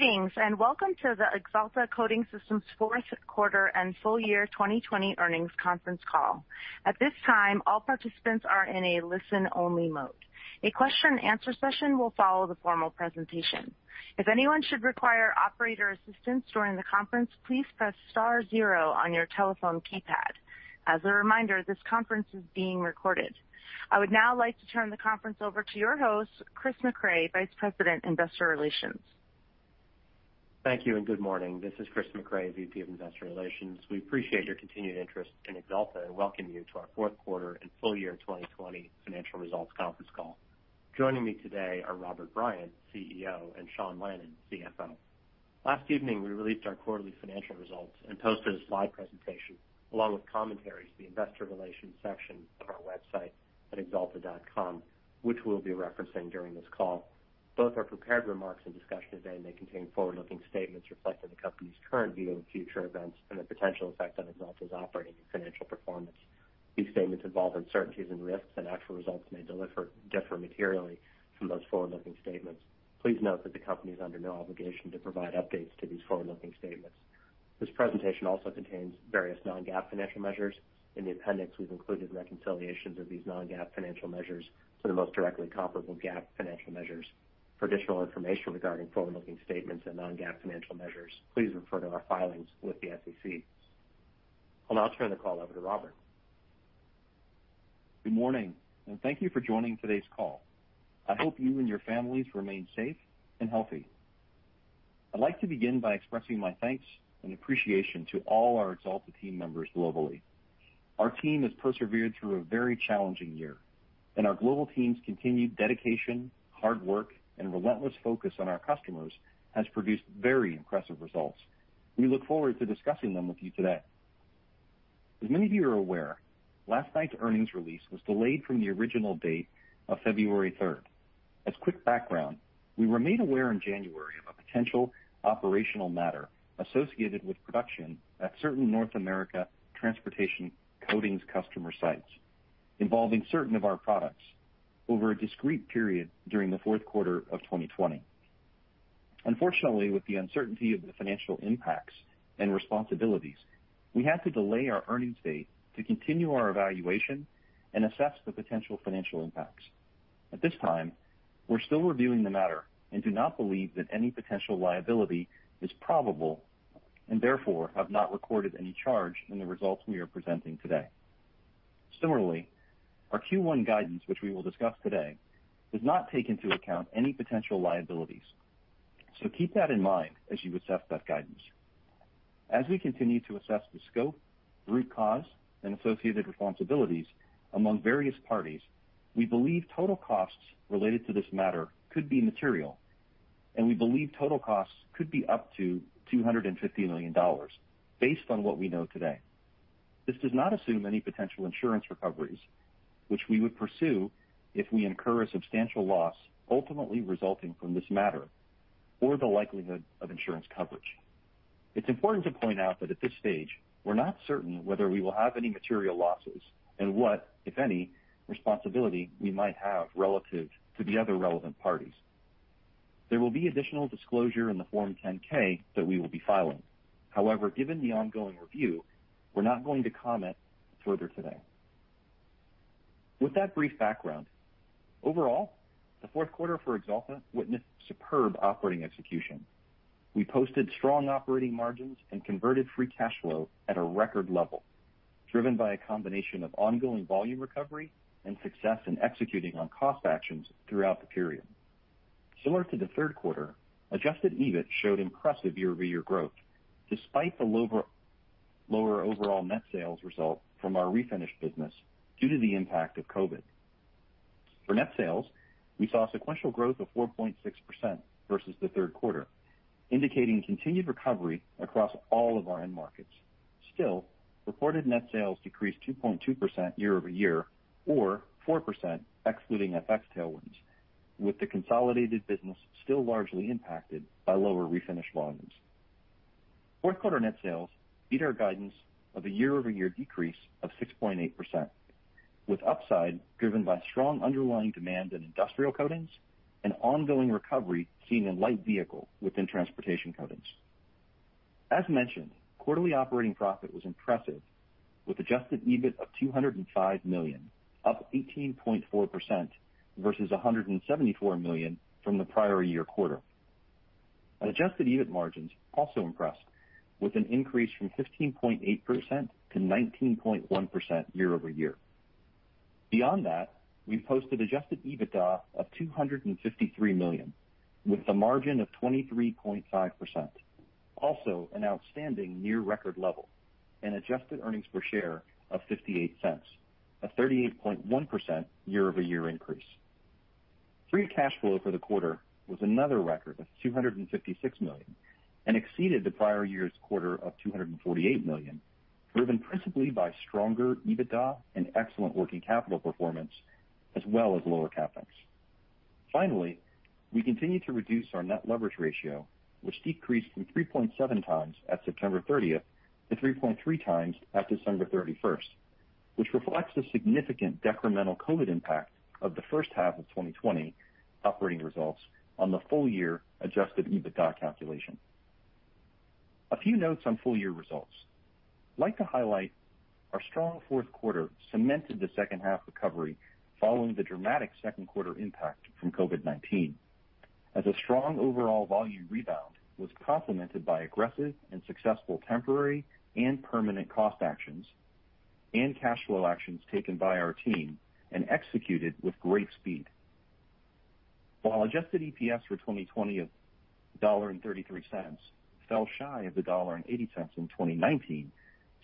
Greetings and welcome to the Axalta Coating Systems's Q4 and Full Year 2020 Earnings Conference Call. At this time, all participants are in a listen-only mode. A question and answer session will follow the formal presententaion. If anyone should require operator's assistance during the conference, please press star zero on your telephone keypad. As a reminder, this conference is being recorded. I would now like to turn the conference over to your host, Chris Mecray, Vice President, Investor Relations. Thank you, and good morning. This is Chris Mecray, VP of Investor Relations. We appreciate your continued interest in Axalta, and welcome you to our Q4 and full year 2020 financial results conference call. Joining me today are Robert Bryant, CEO, and Sean Lannon, CFO. Last evening, we released our quarterly financial results and posted a slide presentation along with commentary to the investor relations section of our website at axalta.com, which we'll be referencing during this call. Both our prepared remarks and discussion today may contain forward-looking statements reflecting the company's current view of future events and the potential effect on Axalta's operating and financial performance. These statements involve uncertainties and risks, and actual results may differ materially from those forward-looking statements. Please note that the company is under no obligation to provide updates to these forward-looking statements. This presentation also contains various non-GAAP financial measures. In the appendix, we've included reconciliations of these non-GAAP financial measures to the most directly comparable GAAP financial measures. For additional information regarding forward-looking statements and non-GAAP financial measures, please refer to our filings with the SEC. I'll now turn the call over to Robert. Good morning, and thank you for joining today's call. I hope you and your families remain safe and healthy. I'd like to begin by expressing my thanks and appreciation to all our Axalta team members globally. Our team has persevered through a very challenging year, and our global team's continued dedication, hard work, and relentless focus on our customers has produced very impressive results. We look forward to discussing them with you today. As many of you are aware, last night's earnings release was delayed from the original date of February 3rd. As quick background, we were made aware in January of a potential operational matter associated with production at certain North America Transportation Coatings customer sites involving certain of our products over a discrete period during the Q4 of 2020. Unfortunately, with the uncertainty of the financial impacts and responsibilities, we had to delay our earnings date to continue our evaluation and assess the potential financial impacts. At this time, we're still reviewing the matter and do not believe that any potential liability is probable, and therefore, have not recorded any charge in the results we are presenting today. Similarly, our Q1 guidance, which we will discuss today, does not take into account any potential liabilities. Keep that in mind as you assess that guidance. As we continue to assess the scope, root cause, and associated responsibilities among various parties, we believe total costs related to this matter could be material, and we believe total costs could be up to $250 million based on what we know today. This does not assume any potential insurance recoveries, which we would pursue if we incur a substantial loss ultimately resulting from this matter, or the likelihood of insurance coverage. It's important to point out that at this stage, we're not certain whether we will have any material losses and what, if any, responsibility we might have relative to the other relevant parties. There will be additional disclosure in the Form 10-K that we will be filing. However, given the ongoing review, we're not going to comment further today. With that brief background, overall, the Q4 for Axalta witnessed superb operating execution. We posted strong operating margins and converted free cash flow at a record level, driven by a combination of ongoing volume recovery and success in executing on cost actions throughout the period. Similar to the Q3, Adjusted EBIT showed impressive year-over-year growth, despite the lower overall net sales result from our Refinish business due to the impact of COVID. For net sales, we saw sequential growth of 4.6% versus the Q3, indicating continued recovery across all of our end markets. Still, reported net sales decreased 2.2% year-over-year or 4% excluding FX tailwinds, with the consolidated business still largely impacted by lower Refinish volumes. Q4 net sales beat our guidance of a year-over-year decrease of 6.8%, with upside driven by strong underlying demand in Industrial Coatings and ongoing recovery seen in Light Vehicle within Transportation Coatings. As mentioned, quarterly operating profit was impressive with Adjusted EBIT of $205 million, up 18.4% versus $174 million from the prior year quarter. Adjusted EBIT margins also impressed with an increase from 15.8% to 19.1% year-over-year. Beyond that, we posted Adjusted EBITDA of $253 million with a margin of 23.5%, also an outstanding near record level, and Adjusted earnings per share of $0.58, a 38.1% year-over-year increase. free cash flow for the quarter was another record of $256 million and exceeded the prior year's quarter of $248 million, driven principally by stronger EBITDA and excellent working capital performance as well as lower CapEx. Finally, we continue to reduce our net leverage ratio, which decreased from 3.7x at September 30th to 3.3x at December 31st, which reflects the significant decremental COVID impact of the first half of 2020 operating results on the full year Adjusted EBITDA calculation. A few notes on full year results. I'd like to highlight our strong Q4 cemented the second half recovery following the dramatic Q2 impact from COVID-19, as a strong overall volume rebound was complemented by aggressive and successful temporary and permanent cost actions and cash flow actions taken by our team and executed with great speed. While Adjusted EPS for 2020 of $1.33 fell shy of the $1.80 in 2019,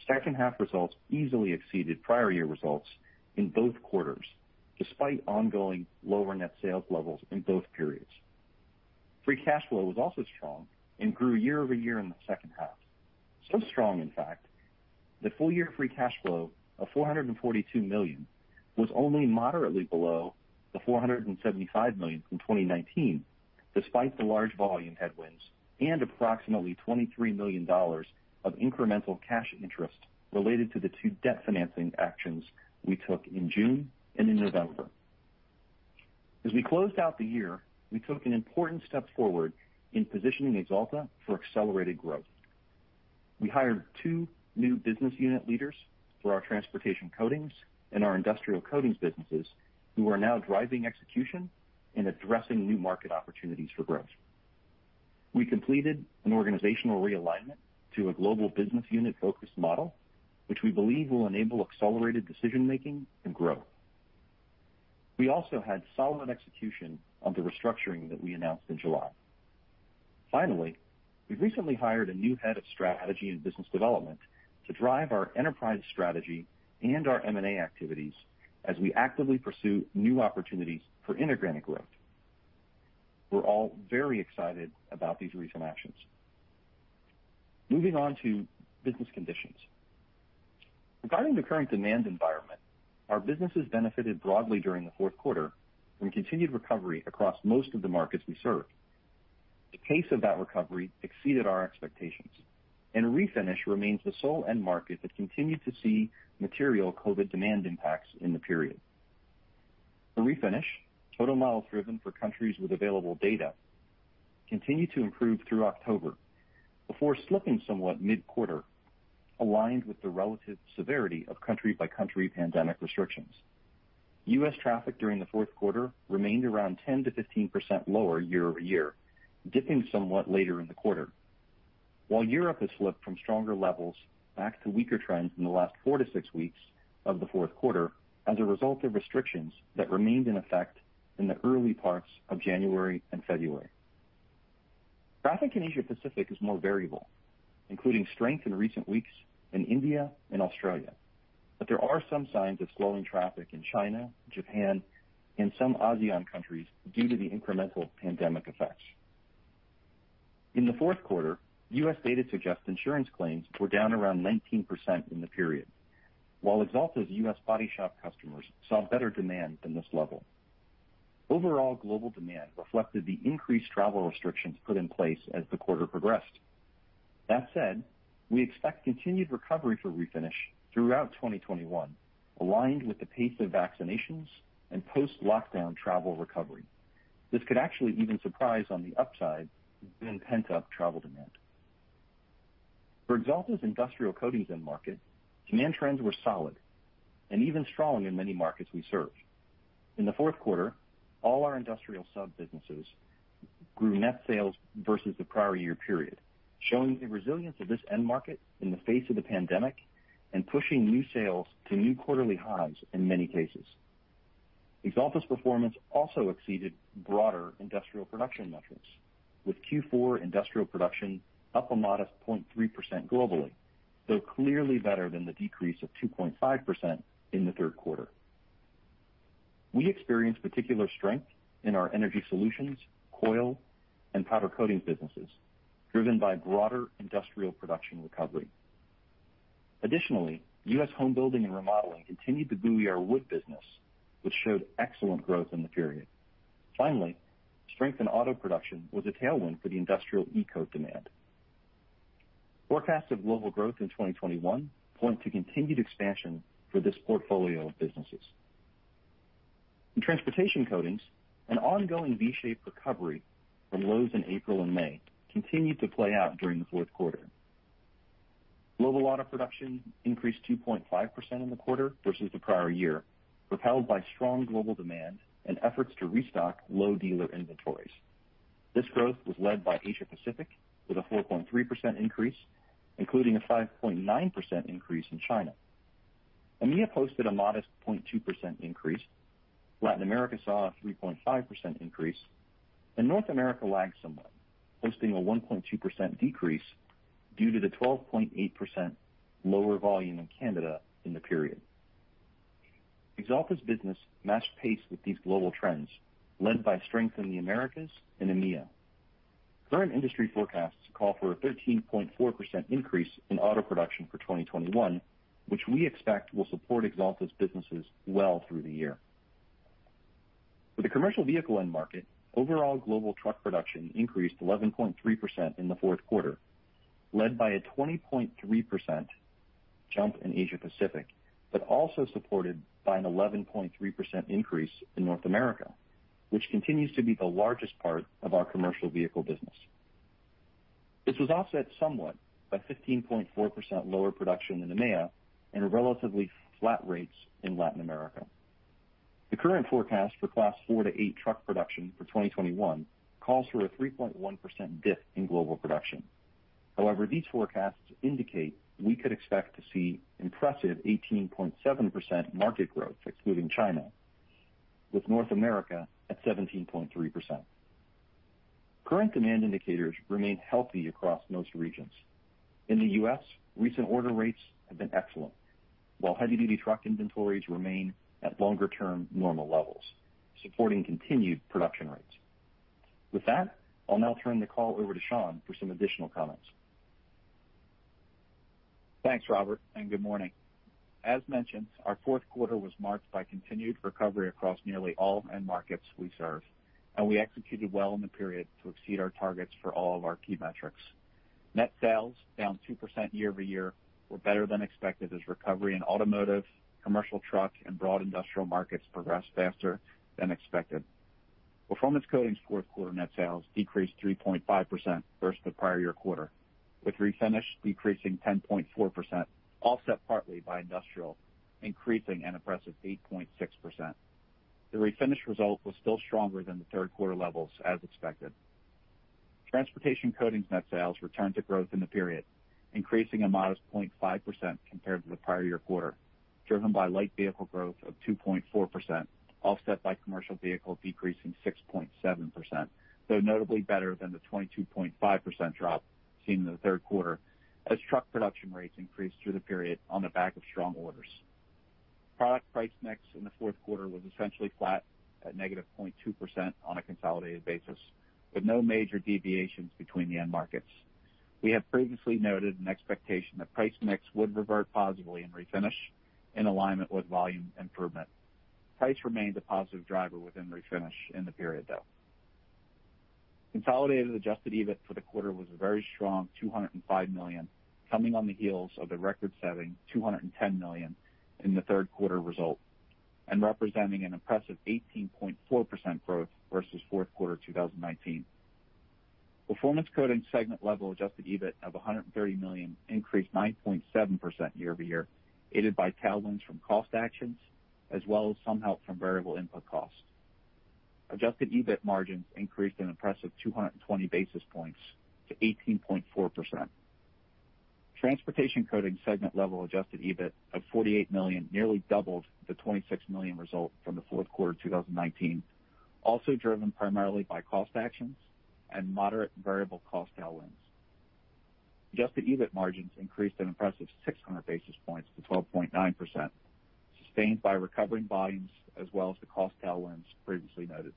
second half results easily exceeded prior year results in both quarters, despite ongoing lower net sales levels in both periods. Free cash flow was also strong and grew year-over-year in the second half. Strong, in fact, that full year free cash flow of $442 million was only moderately below the $475 million from 2019, despite the large volume headwinds and approximately $23 million of incremental cash interest related to the two debt financing actions we took in June and in November. As we closed out the year, we took an important step forward in positioning Axalta for accelerated growth. We hired two new business unit leaders for our Transportation Coatings and our Industrial Coatings businesses, who are now driving execution and addressing new market opportunities for growth. We completed an organizational realignment to a global business unit-focused model, which we believe will enable accelerated decision-making and growth. We also had solid execution on the restructuring that we announced in July. Finally, we've recently hired a new head of strategy and business development to drive our enterprise strategy and our M&A activities as we actively pursue new opportunities for inorganic growth. We're all very excited about these recent actions. Moving on to business conditions. Regarding the current demand environment, our businesses benefited broadly during the Q4 from continued recovery across most of the markets we serve. The pace of that recovery exceeded our expectations. Refinish remains the sole end market that continued to see material COVID demand impacts in the period. For Refinish, total miles driven for countries with available data continued to improve through October before slipping somewhat mid-quarter, aligned with the relative severity of country by country pandemic restrictions. U.S. traffic during the Q4 remained around 10%-15% lower year-over-year, dipping somewhat later in the quarter. Europe has slipped from stronger levels back to weaker trends in the last four to six weeks of the Q4 as a result of restrictions that remained in effect in the early parts of January and February. Traffic in Asia Pacific is more variable, including strength in recent weeks in India and Australia. There are some signs of slowing traffic in China, Japan, and some ASEAN countries due to the incremental pandemic effects. In the Q4, U.S. data suggests insurance claims were down around 19% in the period. While Axalta's U.S. body shop customers saw better demand than this level. Overall global demand reflected the increased travel restrictions put in place as the quarter progressed. That said, we expect continued recovery for Refinish throughout 2021, aligned with the pace of vaccinations and post-lockdown travel recovery. This could actually even surprise on the upside given pent-up travel demand. For Axalta's Industrial Coatings end market, demand trends were solid and even strong in many markets we serve. In the Q4, all our industrial sub-businesses grew net sales versus the prior year period, showing the resilience of this end market in the face of the pandemic and pushing new sales to new quarterly highs in many cases. Axalta's performance also exceeded broader industrial production metrics, with Q4 industrial production up a modest 0.3% globally, though clearly better than the decrease of 2.5% in the Q3. We experienced particular strength in our Energy Solutions, Coil, and Powder Coatings businesses, driven by broader industrial production recovery. Additionally, U.S. home building and remodeling continued to buoy our wood business, which showed excellent growth in the period. Finally, strength in auto production was a tailwind for the industrial e-coat demand. Forecasts of global growth in 2021 point to continued expansion for this portfolio of businesses. In Transportation Coatings, an ongoing V-shaped recovery from lows in April and May continued to play out during the Q4. Global auto production increased 2.5% in the quarter versus the prior year, propelled by strong global demand and efforts to restock low dealer inventories. This growth was led by Asia Pacific with a 4.3% increase, including a 5.9% increase in China. EMEA posted a modest 0.2% increase. Latin America saw a 3.5% increase, and North America lagged somewhat, posting a 1.2% decrease due to the 12.8% lower volume in Canada in the period. Axalta's business matched pace with these global trends, led by strength in the Americas and EMEA. Current industry forecasts call for a 13.4% increase in auto production for 2021, which we expect will support Axalta's businesses well through the year. For the commercial vehicle end market, overall global truck production increased 11.3% in the Q4, led by a 20.3% jump in Asia Pacific, but also supported by an 11.3% increase in North America, which continues to be the largest part of our commercial vehicle business. This was offset somewhat by 15.4% lower production in EMEA and relatively flat rates in Latin America. The current forecast for Class 4-8 truck production for 2021 calls for a 3.1% dip in global production. However, these forecasts indicate we could expect to see impressive 18.7% market growth, excluding China, with North America at 17.3%. Current demand indicators remain healthy across most regions. In the U.S., recent order rates have been excellent, while heavy-duty truck inventories remain at longer-term normal levels, supporting continued production rates. With that, I'll now turn the call over to Sean for some additional comments. Thanks, Robert, and good morning. As mentioned, our Q4 was marked by continued recovery across nearly all end markets we serve, and we executed well in the period to exceed our targets for all of our key metrics. Net sales, down 2% year-over-year, were better than expected as recovery in automotive, commercial trucks, and broad industrial markets progressed faster than expected. Performance Coatings' Q4 net sales decreased 3.5% versus the prior year quarter, with Refinish decreasing 10.4%, offset partly by Industrial increasing an impressive 8.6%. The Refinish result was still stronger than the Q3 levels, as expected. Transportation Coatings' net sales returned to growth in the period, increasing a modest 0.5% compared to the prior year quarter, driven by Light Vehicle growth of 2.4%, offset by commercial vehicle decreasing 6.7%, though notably better than the 22.5% drop seen in the Q3 as truck production rates increased through the period on the back of strong orders. Product price mix in the Q4 was essentially flat at negative 0.2% on a consolidated basis, with no major deviations between the end markets. We have previously noted an expectation that price mix would revert positively in Refinish in alignment with volume improvement. Price remained a positive driver within Refinish in the period, though. Consolidated Adjusted EBIT for the quarter was a very strong $205 million, coming on the heels of the record-setting $210 million in the Q3 result and representing an impressive 18.4% growth versus Q4 2019. Performance Coatings segment-level Adjusted EBIT of $130 million increased 9.7% year-over-year, aided by tailwinds from cost actions as well as some help from variable input costs. Adjusted EBIT margins increased an impressive 220 basis points to 18.4%. Transportation Coatings segment-level Adjusted EBIT of $48 million nearly doubled the $26 million result from the Q4 2019, also driven primarily by cost actions and moderate variable cost tailwinds. Adjusted EBIT margins increased an impressive 600 basis points to 12.9%, sustained by recovering volumes as well as the cost tailwinds previously noted.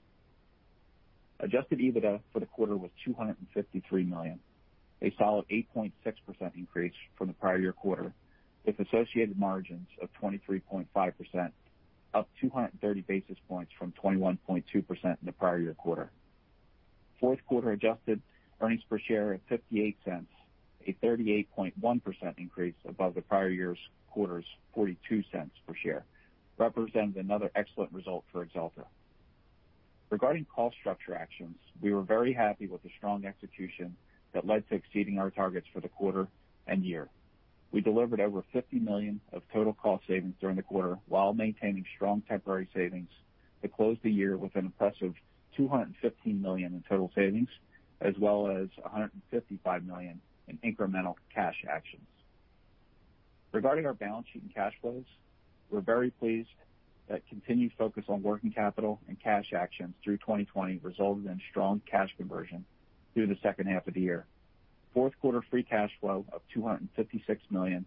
Adjusted EBITDA for the quarter was $253 million, a solid 8.6% increase from the prior year quarter, with associated margins of 23.5%, up 230 basis points from 21.2% in the prior year quarter. Q4 Adjusted earnings per share at $0.58, a 38.1% increase above the prior year's quarter's $0.42 per share, represents another excellent result for Axalta. Regarding cost structure actions, we were very happy with the strong execution that led to exceeding our targets for the quarter and year. We delivered over $50 million of total cost savings during the quarter while maintaining strong temporary savings to close the year with an impressive $215 million in total savings, as well as $155 million in incremental cash actions. Regarding our balance sheet and cash flows, we're very pleased that continued focus on working capital and cash actions through 2020 resulted in strong cash conversion through the second half of the year. Q4 free cash flow of $256 million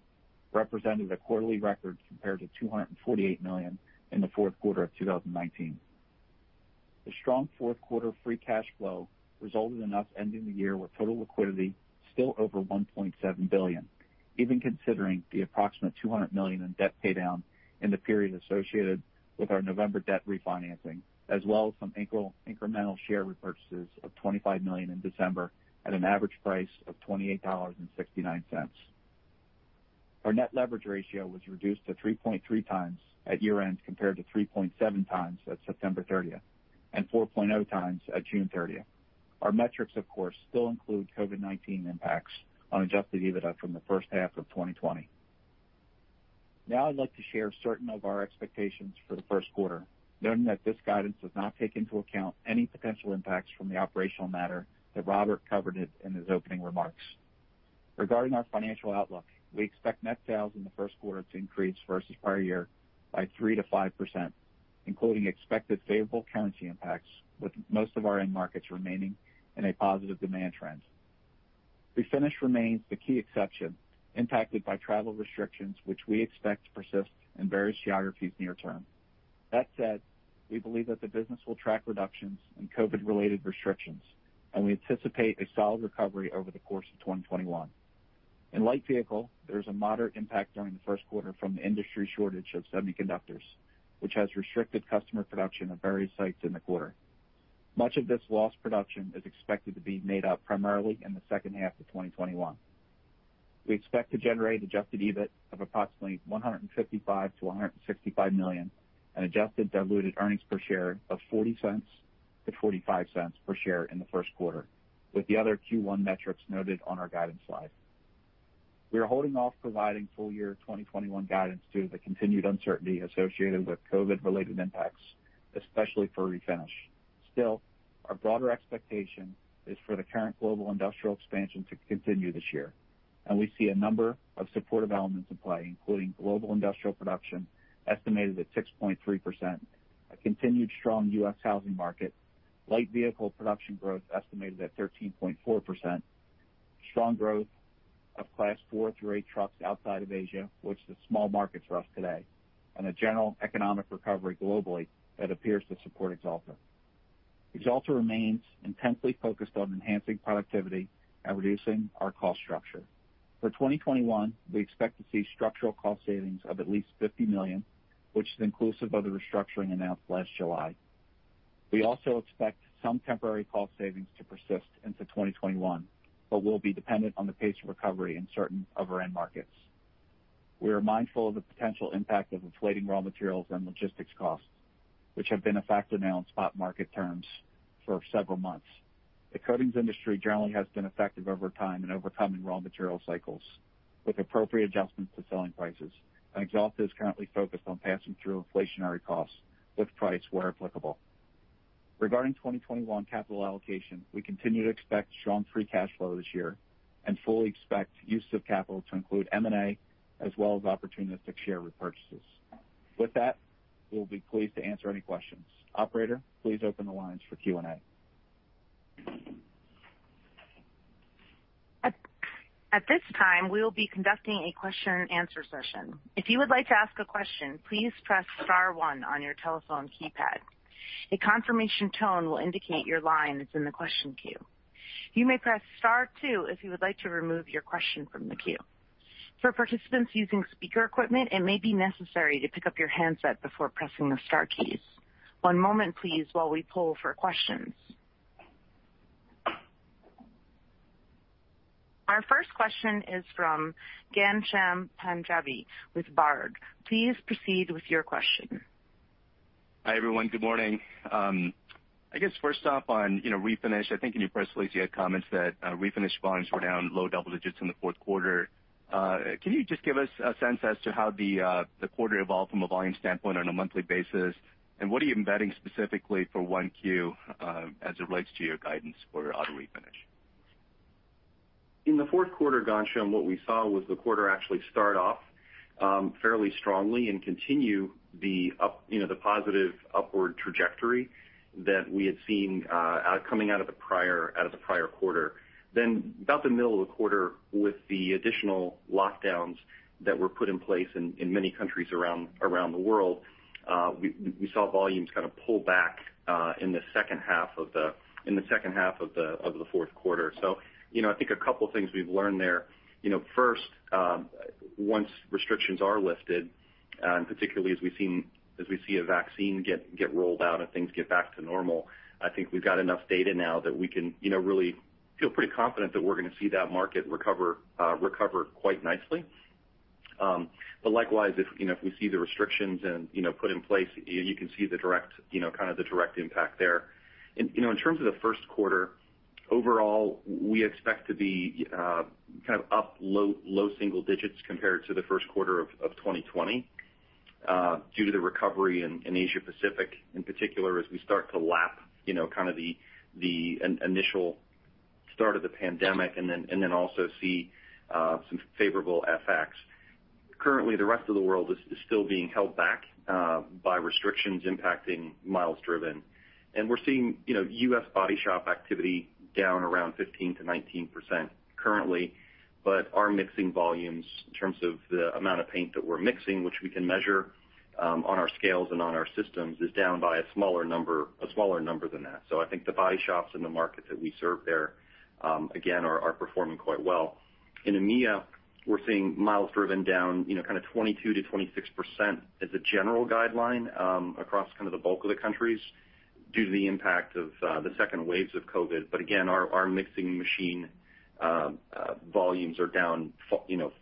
represented a quarterly record compared to $248 million in the Q4 of 2019. The strong Q4 free cash flow resulted in us ending the year with total liquidity still over $1.7 billion, even considering the approximate $200 million in debt paydown in the period associated with our November debt refinancing, as well as some incremental share repurchases of $25 million in December at an average price of $28.69. Our net leverage ratio was reduced to 3.3x at year-end compared to 3.7x at September 30th and 4.0x at June 30th. Our metrics, of course, still include COVID-19 impacts on Adjusted EBITDA from the first half of 2020. Now I'd like to share certain of our expectations for the Q1, noting that this guidance does not take into account any potential impacts from the operational matter that Robert covered in his opening remarks. Regarding our financial outlook, we expect net sales in the Q1 to increase versus prior year by 3%-5%, including expected favorable currency impacts with most of our end markets remaining in a positive demand trend. Refinish remains the key exception, impacted by travel restrictions, which we expect to persist in various geographies near term. That said, we believe that the business will track reductions in COVID-related restrictions, and we anticipate a solid recovery over the course of 2021. In Light Vehicle, there was a moderate impact during the Q1 from the industry shortage of semiconductors, which has restricted customer production at various sites in the quarter. Much of this lost production is expected to be made up primarily in the second half of 2021. We expect to generate Adjusted EBIT of approximately $155 million-$165 million, and Adjusted diluted earnings per share of $0.40-$0.45 per share in the Q1, with the other Q1 metrics noted on our guidance slide. We are holding off providing full year 2021 guidance due to the continued uncertainty associated with COVID-related impacts, especially for Refinish. Still, our broader expectation is for the current global industrial expansion to continue this year, and we see a number of supportive elements in play, including global industrial production estimated at 6.3%, a continued strong U.S. housing market, Light Vehicle production growth estimated at 13.4%, strong growth of Class 4-8 trucks outside of Asia, which is a small market for us today, and a general economic recovery globally that appears to support Axalta. Axalta remains intensely focused on enhancing productivity and reducing our cost structure. For 2021, we expect to see structural cost savings of at least $50 million, which is inclusive of the restructuring announced last July. We also expect some temporary cost savings to persist into 2021, but will be dependent on the pace of recovery in certain of our end markets. We are mindful of the potential impact of inflating raw materials and logistics costs, which have been a factor now in spot market terms for several months. The coatings industry generally has been effective over time in overcoming raw material cycles with appropriate adjustments to selling prices, and Axalta is currently focused on passing through inflationary costs with price where applicable. Regarding 2021 capital allocation, we continue to expect strong free cash flow this year and fully expect use of capital to include M&A as well as opportunistic share repurchases. With that, we'll be pleased to answer any questions. Operator, please open the lines for Q&A. At this time we will be conducting a question and answer session. If you'll like to ask a question, please press star one on your telephone keypad. A confirmation tone will indicate your line is in the question queue. You may press start two if you'll like to remove your question from the queue. For participants using speaker equipment, it may be necessary to pick up your handsets before pressing the star keys. One moment please while we poll for questions. Our first question is from Ghansham Panjabi with Baird. Please proceed with your question. Hi, everyone. Good morning. I guess first off on Refinish, I think in your press release you had comments that Refinish volumes were down low double digits in the Q4. Can you just give us a sense as to how the quarter evolved from a volume standpoint on a monthly basis, and what are you embedding specifically for Q1 as it relates to your guidance for auto Refinish? In the Q4, Ghansham, what we saw was the quarter actually start off fairly strongly and continue the positive upward trajectory that we had seen coming out of the prior quarter. About the middle of the quarter, with the additional lockdowns that were put in place in many countries around the world, we saw volumes kind of pull back in the second half of the Q4. I think a couple things we've learned there. First, once restrictions are lifted, and particularly as we see a vaccine get rolled out and things get back to normal, I think we've got enough data now that we can really feel pretty confident that we're going to see that market recover quite nicely. Likewise, if we see the restrictions put in place, you can see the direct impact there. In terms of the Q1, overall, we expect to be up low single digits compared to the Q1 of 2020 due to the recovery in Asia Pacific, in particular as we start to lap the initial start of the pandemic and then also see some favorable FX. Currently, the rest of the world is still being held back by restrictions impacting miles driven, and we're seeing U.S. body shop activity down around 15%-19% currently. Our mixing volumes, in terms of the amount of paint that we're mixing, which we can measure on our scales and on our systems, is down by a smaller number than that. I think the body shops and the market that we serve there, again, are performing quite well. In EMEA, we're seeing miles driven down 22%-26% as a general guideline across the bulk of the countries due to the impact of the second waves of COVID. Again, our mixing machine volumes are down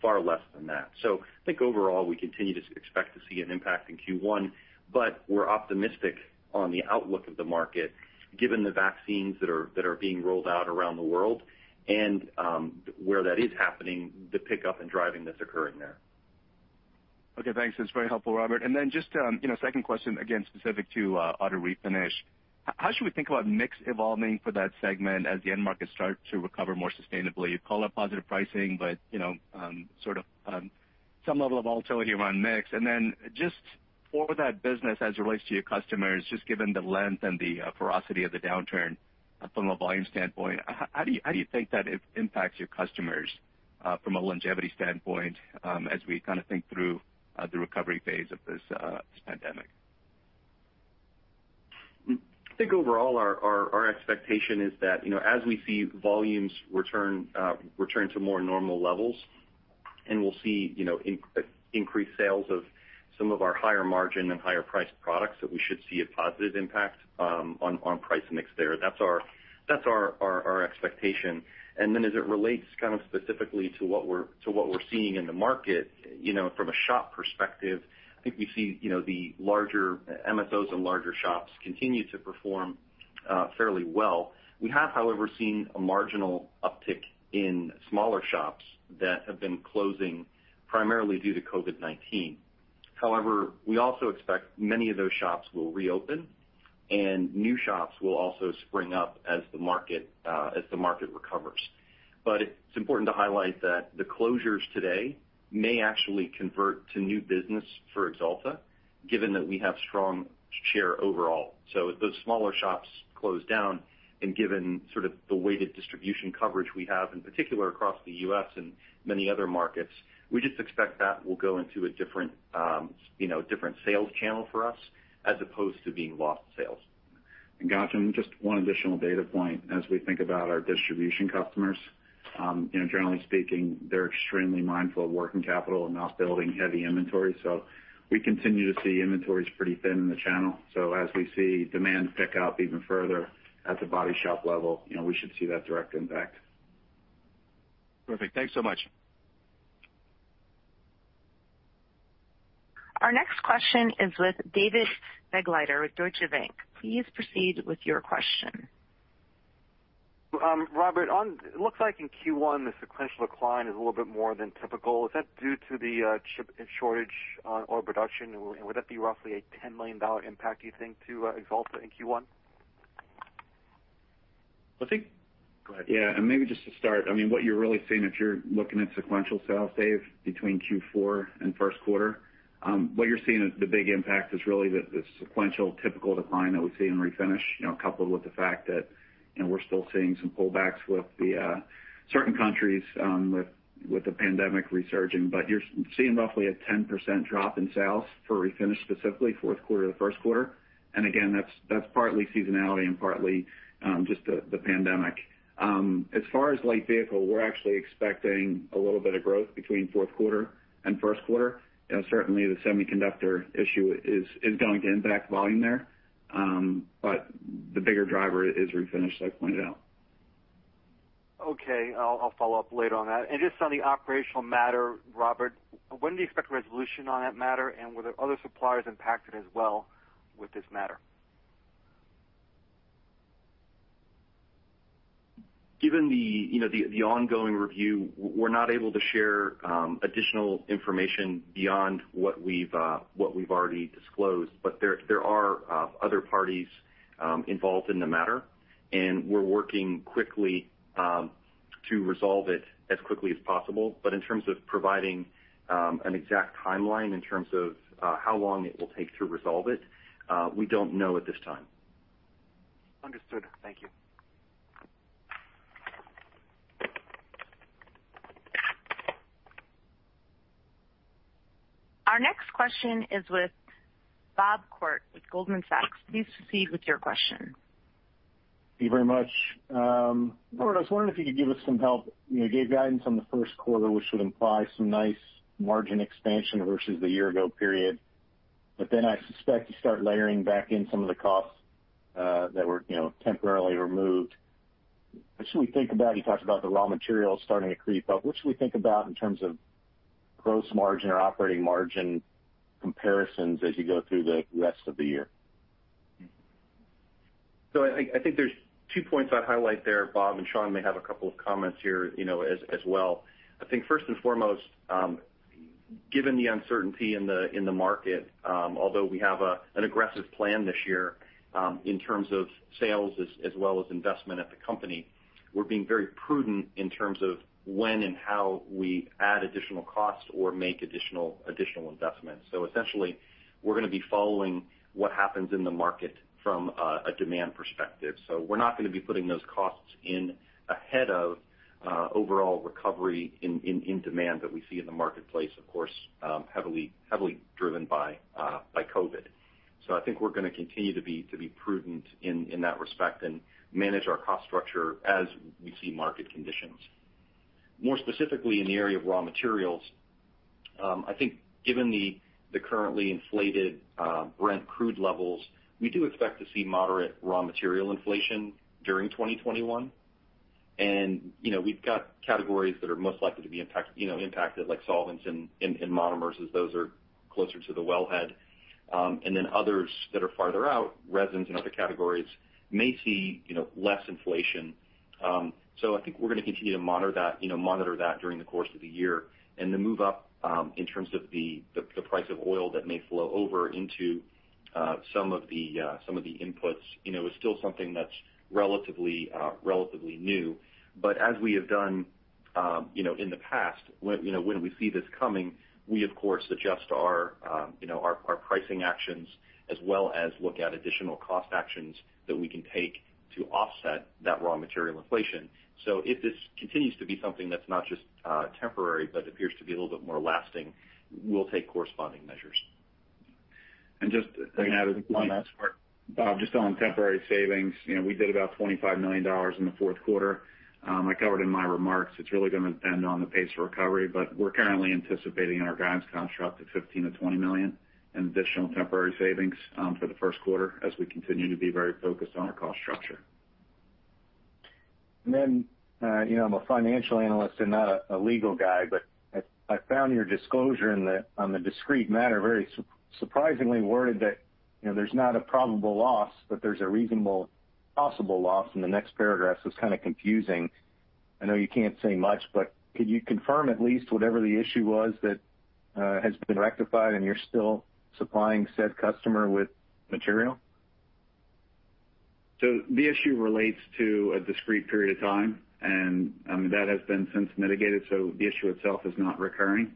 far less than that. I think overall, we continue to expect to see an impact in Q1, but we're optimistic on the outlook of the market given the vaccines that are being rolled out around the world and, where that is happening, the pickup in driving that's occurring there. Okay, thanks. That's very helpful, Robert. Then just second question, again, specific to Refinish. How should we think about mix evolving for that segment as the end markets start to recover more sustainably? You call out positive pricing, but some level of volatility around mix. Then just for that business as it relates to your customers, just given the length and the ferocity of the downturn from a volume standpoint, how do you think that impacts your customers from a longevity standpoint as we think through the recovery phase of this pandemic? I think overall our expectation is that as we see volumes return to more normal levels and we'll see increased sales of some of our higher margin and higher priced products that we should see a positive impact on price mix there. That's our expectation. As it relates specifically to what we're seeing in the market from a shop perspective, I think we see the larger MSOs and larger shops continue to perform fairly well. We have, however, seen a marginal uptick in smaller shops that have been closing primarily due to COVID-19. We also expect many of those shops will reopen and new shops will also spring up as the market recovers. It's important to highlight that the closures today may actually convert to new business for Axalta, given that we have strong share overall. If those smaller shops close down and given sort of the weighted distribution coverage we have, in particular across the U.S. and many other markets, we just expect that will go into a different sales channel for us as opposed to being lost sales. Ghansham. Just one additional data point as we think about our distribution customers. Generally speaking, they're extremely mindful of working capital and not building heavy inventory. We continue to see inventories pretty thin in the channel. As we see demand pick up even further at the body shop level, we should see that direct impact. Perfect. Thanks so much. Our next question is with David Begleiter with Deutsche Bank. Please proceed with your question. Robert, it looks like in Q1, the sequential decline is a little bit more than typical. Is that due to the chip shortage or production? Would that be roughly a $10 million impact, do you think, to Axalta in Q1? Go ahead. Yeah, maybe just to start, what you're really seeing if you're looking at sequential sales, Dave, between Q4 and Q1, what you're seeing is the big impact is really the sequential typical decline that we see in Refinish, coupled with the fact that we're still seeing some pullbacks with certain countries with the pandemic resurging. You're seeing roughly a 10% drop in sales for Refinish, specifically Q4 to Q1. Again, that's partly seasonality and partly just the pandemic. As far as Light Vehicle, we're actually expecting a little bit of growth between Q4 and Q1. Certainly, the semiconductor issue is going to impact volume there. The bigger driver is Refinish, as I pointed out. Okay. I'll follow up later on that. Just on the operational matter, Robert, when do you expect resolution on that matter, and were there other suppliers impacted as well with this matter? Given the ongoing review, we're not able to share additional information beyond what we've already disclosed. There are other parties involved in the matter, and we're working quickly to resolve it as quickly as possible. In terms of providing an exact timeline in terms of how long it will take to resolve it, we don't know at this time. Understood. Thank you. Our next question is with Bob Koort with Goldman Sachs. Please proceed with your question. Thank you very much. Robert, I was wondering if you could give us some help. Give guidance on the Q1 we should imply some nice margin expansion versus the year ago period. I suspect you start layering back in some of the costs that were temporarily removed. What should we think about? You talked about the raw materials starting to creep up. What should we think about in terms of gross margin or operating margin comparisons as you go through the rest of the year? I think there's two points I'd highlight there, Bob, and Sean may have a couple of comments here as well. I think first and foremost, given the uncertainty in the market, although we have an aggressive plan this year in terms of sales as well as investment at the company, we're being very prudent in terms of when and how we add additional costs or make additional investments. Essentially, we're going to be following what happens in the market from a demand perspective. We're not going to be putting those costs in ahead of overall recovery in demand that we see in the marketplace, of course, heavily driven by COVID. I think we're going to continue to be prudent in that respect and manage our cost structure as we see market conditions. More specifically in the area of raw materials, I think given the currently inflated Brent crude levels, we do expect to see moderate raw material inflation during 2021. We've got categories that are most likely to be impacted, like solvents and monomers, as those are closer to the wellhead. Others that are farther out, resins and other categories, may see less inflation. I think we're going to continue to monitor that during the course of the year. The move up in terms of the price of oil that may flow over into some of the inputs is still something that's relatively new. As we have done in the past, when we see this coming, we of course adjust our pricing actions as well as look at additional cost actions that we can take to offset that raw material inflation. If this continues to be something that's not just temporary, but appears to be a little bit more lasting, we'll take corresponding measures. Just to add one aspect, Bob, just on temporary savings. We did about $25 million in the Q4. I covered in my remarks, it's really going to depend on the pace of recovery, but we're currently anticipating our guidance to come up to $15 million-$20 million in additional temporary savings for the Q1 as we continue to be very focused on our cost structure. I'm a financial analyst and not a legal guy, but I found your disclosure on the discrete matter very surprisingly worded that there's not a probable loss, but there's a reasonable possible loss in the next paragraph. It's kind of confusing. I know you can't say much, but could you confirm at least whatever the issue was that has been rectified, and you're still supplying said customer with material? The issue relates to a discrete period of time, and that has been since mitigated. The issue itself is not recurring.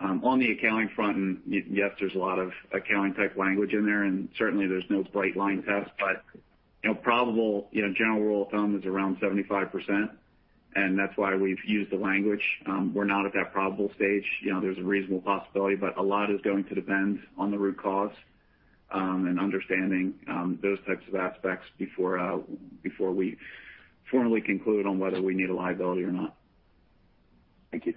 On the accounting front, and yes, there's a lot of accounting type language in there. Certainly, there's no bright line test. Probable general rule of thumb is around 75%, and that's why we've used the language. We're not at that probable stage. There's a reasonable possibility. A lot is going to depend on the root cause, and understanding those types of aspects before we formally conclude on whether we need a liability or not. Thank you.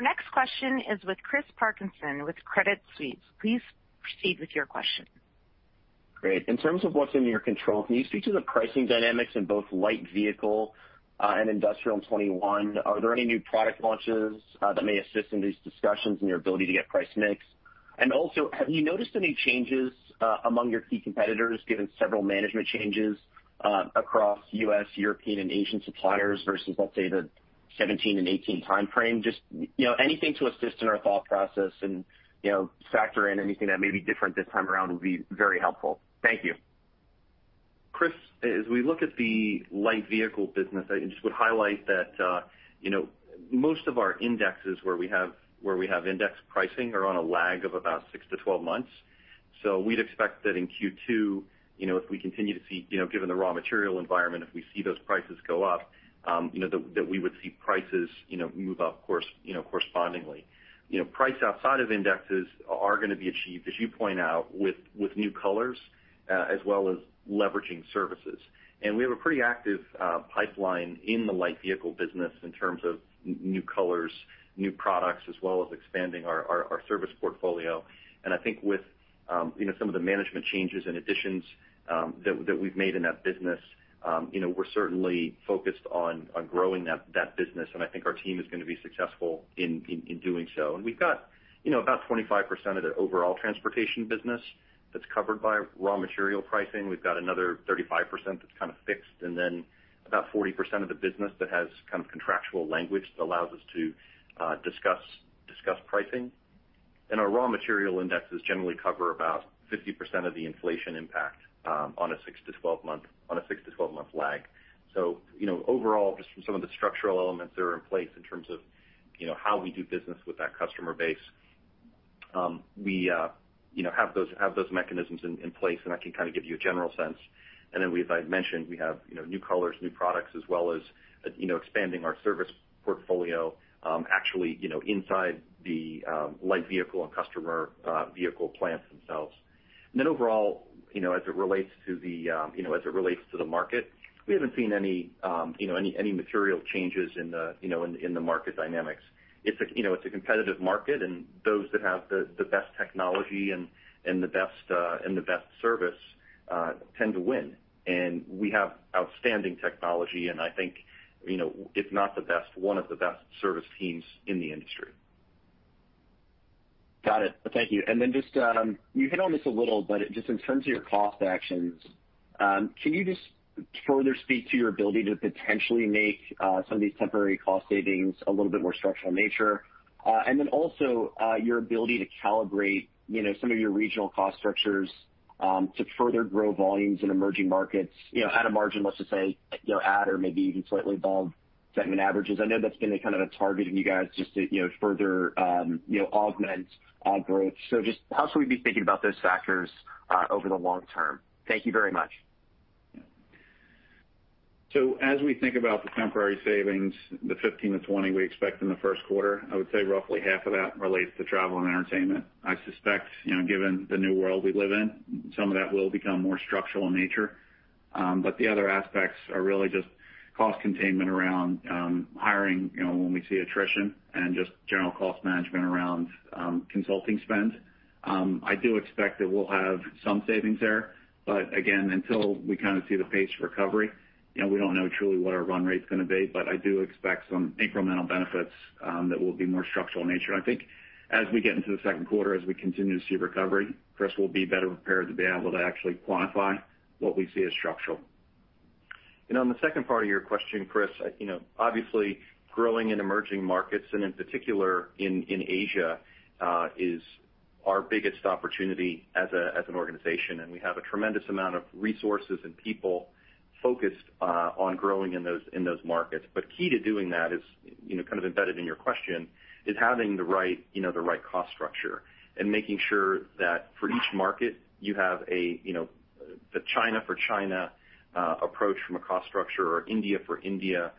Our next question is with Chris Parkinson with Credit Suisse. Please proceed with your question. Great. In terms of what's in your control, can you speak to the pricing dynamics in both Light Vehicle and Industrial in 2021? Are there any new product launches that may assist in these discussions and your ability to get price mix? Have you noticed any changes among your key competitors, given several management changes across U.S., European, and Asian suppliers versus, let's say, the 2017 and 2018 timeframe? Just anything to assist in our thought process and factor in anything that may be different this time around would be very helpful. Thank you. Chris, as we look at the Light Vehicle business, I just would highlight that most of our indexes where we have indexed pricing are on a lag of about six to 12 months. We'd expect that in Q2, if we continue to see, given the raw material environment, if we see those prices go up, that we would see prices move up correspondingly. Price outside of indexes are going to be achieved, as you point out, with new colors as well as leveraging services. We have a pretty active pipeline in the Light Vehicle business in terms of new colors, new products, as well as expanding our service portfolio. I think with some of the management changes and additions that we've made in that business, we're certainly focused on growing that business, and I think our team is going to be successful in doing so. We've got about 25% of the overall Transportation Coatings business that's covered by raw material pricing. We've got another 35% that's kind of fixed, and then about 40% of the business that has contractual language that allows us to discuss pricing. Our raw material indexes generally cover about 50% of the inflation impact on a six to 12-month lag. Overall, just from some of the structural elements that are in place in terms of how we do business with that customer base, we have those mechanisms in place, and that can kind of give you a general sense. As I mentioned, we have new colors, new products, as well as expanding our service portfolio actually inside the Light Vehicle and customer vehicle plants themselves. Overall, as it relates to the market, we haven't seen any material changes in the market dynamics. It's a competitive market, and those that have the best technology and the best service tend to win. We have outstanding technology, and I think, if not the best, one of the best service teams in the industry. Got it. Thank you. You hit on this a little, but in terms of your cost actions, can you further speak to your ability to potentially make some of these temporary cost savings a little bit more structural nature? Also your ability to calibrate some of your regional cost structures to further grow volumes in emerging markets at a margin, let's say, at or maybe even slightly above segment averages. I know that's been a kind of a target of you guys to further augment growth. How should we be thinking about those factors over the long term? Thank you very much. As we think about the temporary savings, the 15-20 we expect in the Q1, I would say roughly half of that relates to travel and entertainment. I suspect, given the new world we live in, some of that will become more structural in nature. The other aspects are really just cost containment around hiring when we see attrition and just general cost management around consulting spend. I do expect that we'll have some savings there. Again, until we kind of see the pace of recovery, we don't know truly what our run rate's going to be. I do expect some incremental benefits that will be more structural in nature. I think as we get into the Q2, as we continue to see recovery, Chris, we'll be better prepared to be able to actually quantify what we see as structural. On the second part of your question, Chris, obviously growing in emerging markets and in particular in Asia is our biggest opportunity as an organization, and we have a tremendous amount of resources and people focused on growing in those markets. Key to doing that is kind of embedded in your question is having the right cost structure and making sure that for each market you have the China for China approach from a cost structure or India for India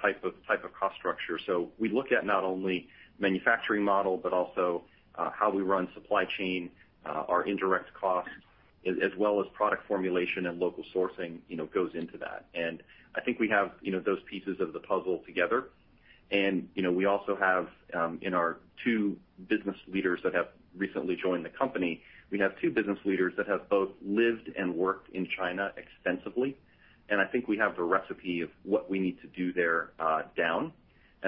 type of cost structure. We look at not only manufacturing model, but also how we run supply chain, our indirect costs, as well as product formulation and local sourcing goes into that. I think we have those pieces of the puzzle together. We also have in our two business leaders that have recently joined the company, we have two business leaders that have both lived and worked in China extensively, and I think we have the recipe of what we need to do there down.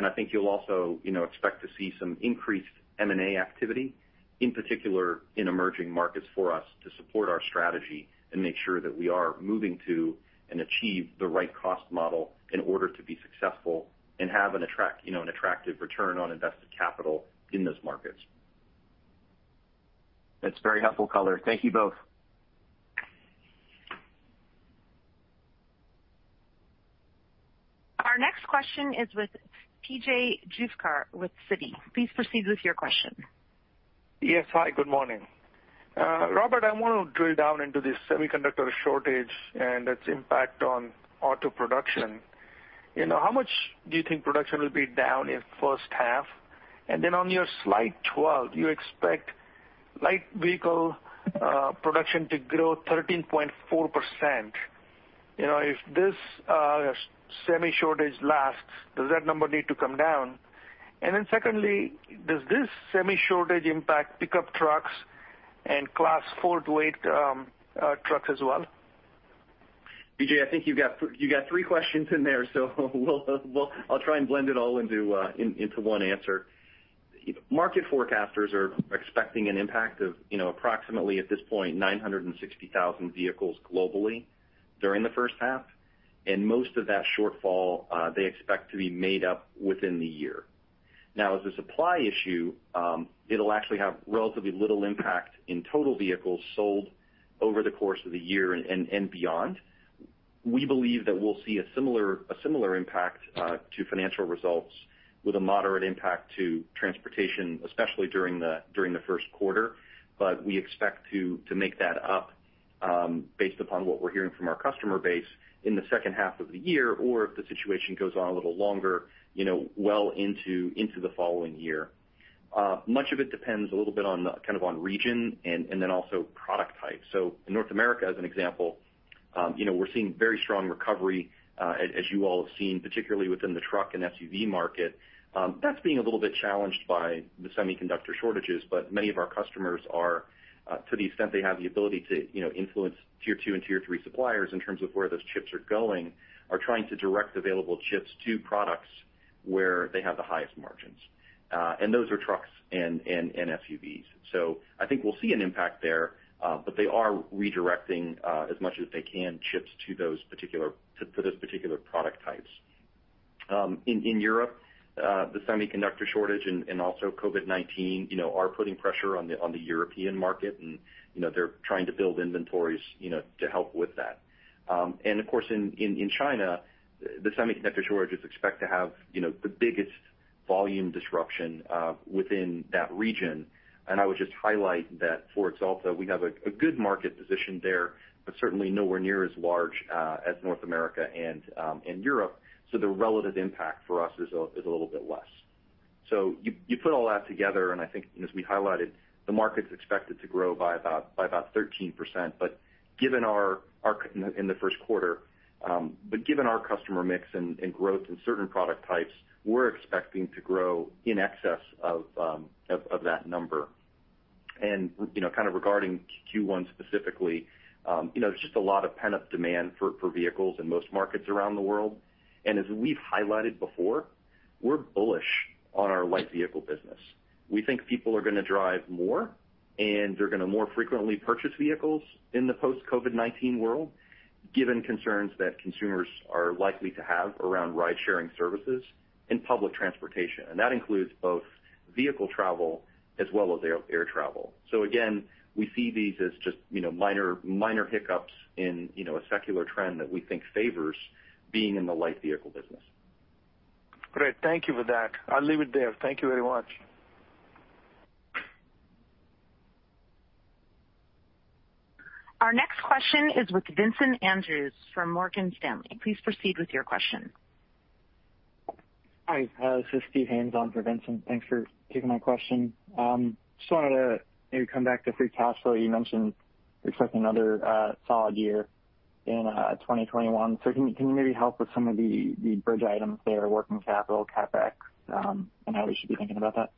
I think you'll also expect to see some increased M&A activity, in particular in emerging markets for us to support our strategy and make sure that we are moving to and achieve the right cost model in order to be successful and have an attractive return on invested capital in those markets. That's very helpful color. Thank you both. Our next question is with P.J. Juvekar with Citi. Please proceed with your question. Yes. Hi, good morning. Robert, I want to drill down into this semiconductor shortage and its impact on auto production. How much do you think production will be down in first half? Then on your slide 12, you expect Light Vehicle production to grow 13.4%. If this semi shortage lasts, does that number need to come down? Then secondly, does this semi shortage impact pickup trucks and Class 4-8 trucks as well? P.J., I think you got three questions in there, so I'll try and blend it all into one answer. Market forecasters are expecting an impact of approximately, at this point, 960,000 vehicles globally during the first half, and most of that shortfall they expect to be made up within the year. Now, as a supply issue, it'll actually have relatively little impact in total vehicles sold over the course of the year and beyond. We believe that we'll see a similar impact to financial results with a moderate impact to transportation, especially during the Q1. We expect to make that up based upon what we're hearing from our customer base in the second half of the year, or if the situation goes on a little longer, well into the following year. Much of it depends a little bit on region and then also product type. North America, as an example, we're seeing very strong recovery as you all have seen, particularly within the truck and SUV market. That's being a little bit challenged by the semiconductor shortages, but many of our customers are to the extent they have the ability to influence Tier-2 and Tier-3 suppliers in terms of where those chips are going, are trying to direct available chips to products where they have the highest margins. Those are trucks and SUVs. I think we'll see an impact there, but they are redirecting as much as they can chips to those particular product types. In Europe, the semiconductor shortage and also COVID-19 are putting pressure on the European market, and they're trying to build inventories to help with that. Of course, in China, the semiconductor shortages expect to have the biggest volume disruption within that region. I would just highlight that for Axalta, we have a good market position there, but certainly nowhere near as large as North America and Europe. The relative impact for us is a little bit less. You put all that together, and I think as we highlighted, the market's expected to grow by about 13% in the Q1. Given our customer mix and growth in certain product types, we're expecting to grow in excess of that number. Regarding Q1 specifically, there's just a lot of pent-up demand for vehicles in most markets around the world. As we've highlighted before, we're bullish on our Light Vehicle business. We think people are going to drive more, and they're going to more frequently purchase vehicles in the post-COVID-19 world, given concerns that consumers are likely to have around ride-sharing services and public transportation. That includes both vehicle travel as well as air travel. Again, we see these as just minor hiccups in a secular trend that we think favors being in the Light Vehicle business. Great. Thank you for that. I'll leave it there. Thank you very much. Our next question is with Vincent Andrews from Morgan Stanley. Please proceed with your question. Hi, this is Steve Haynes, on for Vincent. Thanks for taking my question. Just wanted to maybe come back to free cash flow. You mentioned you expect another solid year in 2021. Can you maybe help with some of the bridge items there, working capital, CapEx, and how we should be thinking about that?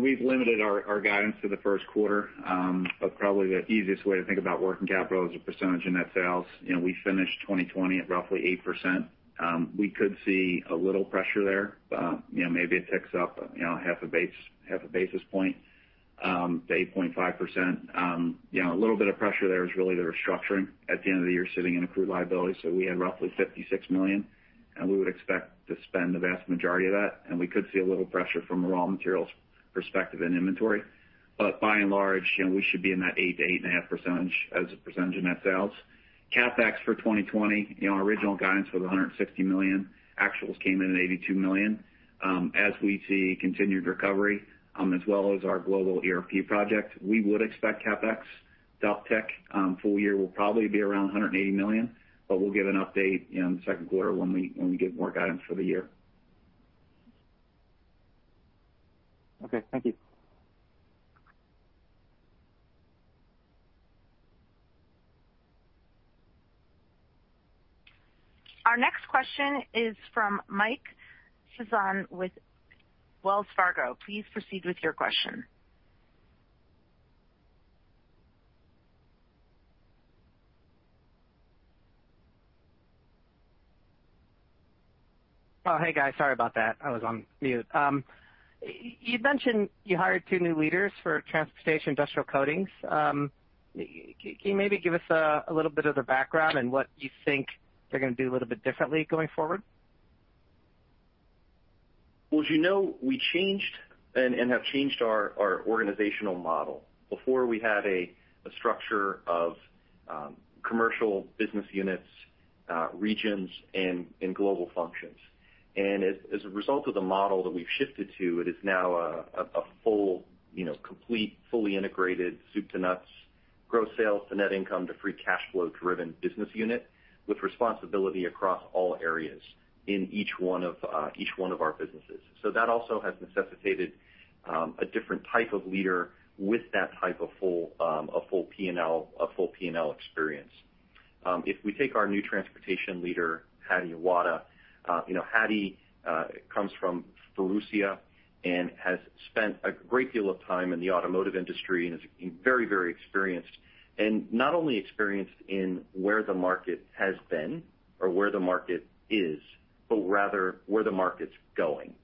We've limited our guidance to the Q1. Probably the easiest way to think about working capital is a percentage in net sales. We finished 2020 at roughly 8%. We could see a little pressure there. Maybe it ticks up half a basis point to 8.5%. A little bit of pressure there is really the restructuring at the end of the year sitting in accrued liability. We had roughly $56 million, we would expect to spend the vast majority of that, we could see a little pressure from a raw materials perspective in inventory. By and large, we should be in that 8% to 8.5% as a percentage of net sales. CapEx for 2020, our original guidance was $160 million. Actuals came in at $82 million. As we see continued recovery, as well as our global ERP project, we would expect CapEx, uptick. Full year will probably be around $180 million, but we'll give an update in the Q2 when we give more guidance for the year. Okay, thank you. Our next question is from Mike Sison with Wells Fargo. Please proceed with your question. Hey, guys, sorry about that. I was on mute. You mentioned you hired two new leaders for Transportation Industrial Coatings. Can you maybe give us a little bit of their background and what you think they're going to do a little bit differently going forward? Well, as you know, we changed and have changed our organizational model. Before we had a structure of commercial business units, regions, and global functions. As a result of the model that we've shifted to, it is now a full, complete, fully integrated soup to nuts, gross sales to net income to free cash flow driven business unit with responsibility across all areas in each one of our businesses. That also has necessitated a different type of leader with that type of full P&L experience. If we take our new transportation leader, Hadi Awada, Hadi comes from Faurecia and has spent a great deal of time in the automotive industry and is very experienced. Not only experienced in where the market has been or where the market is, but rather where the market's going.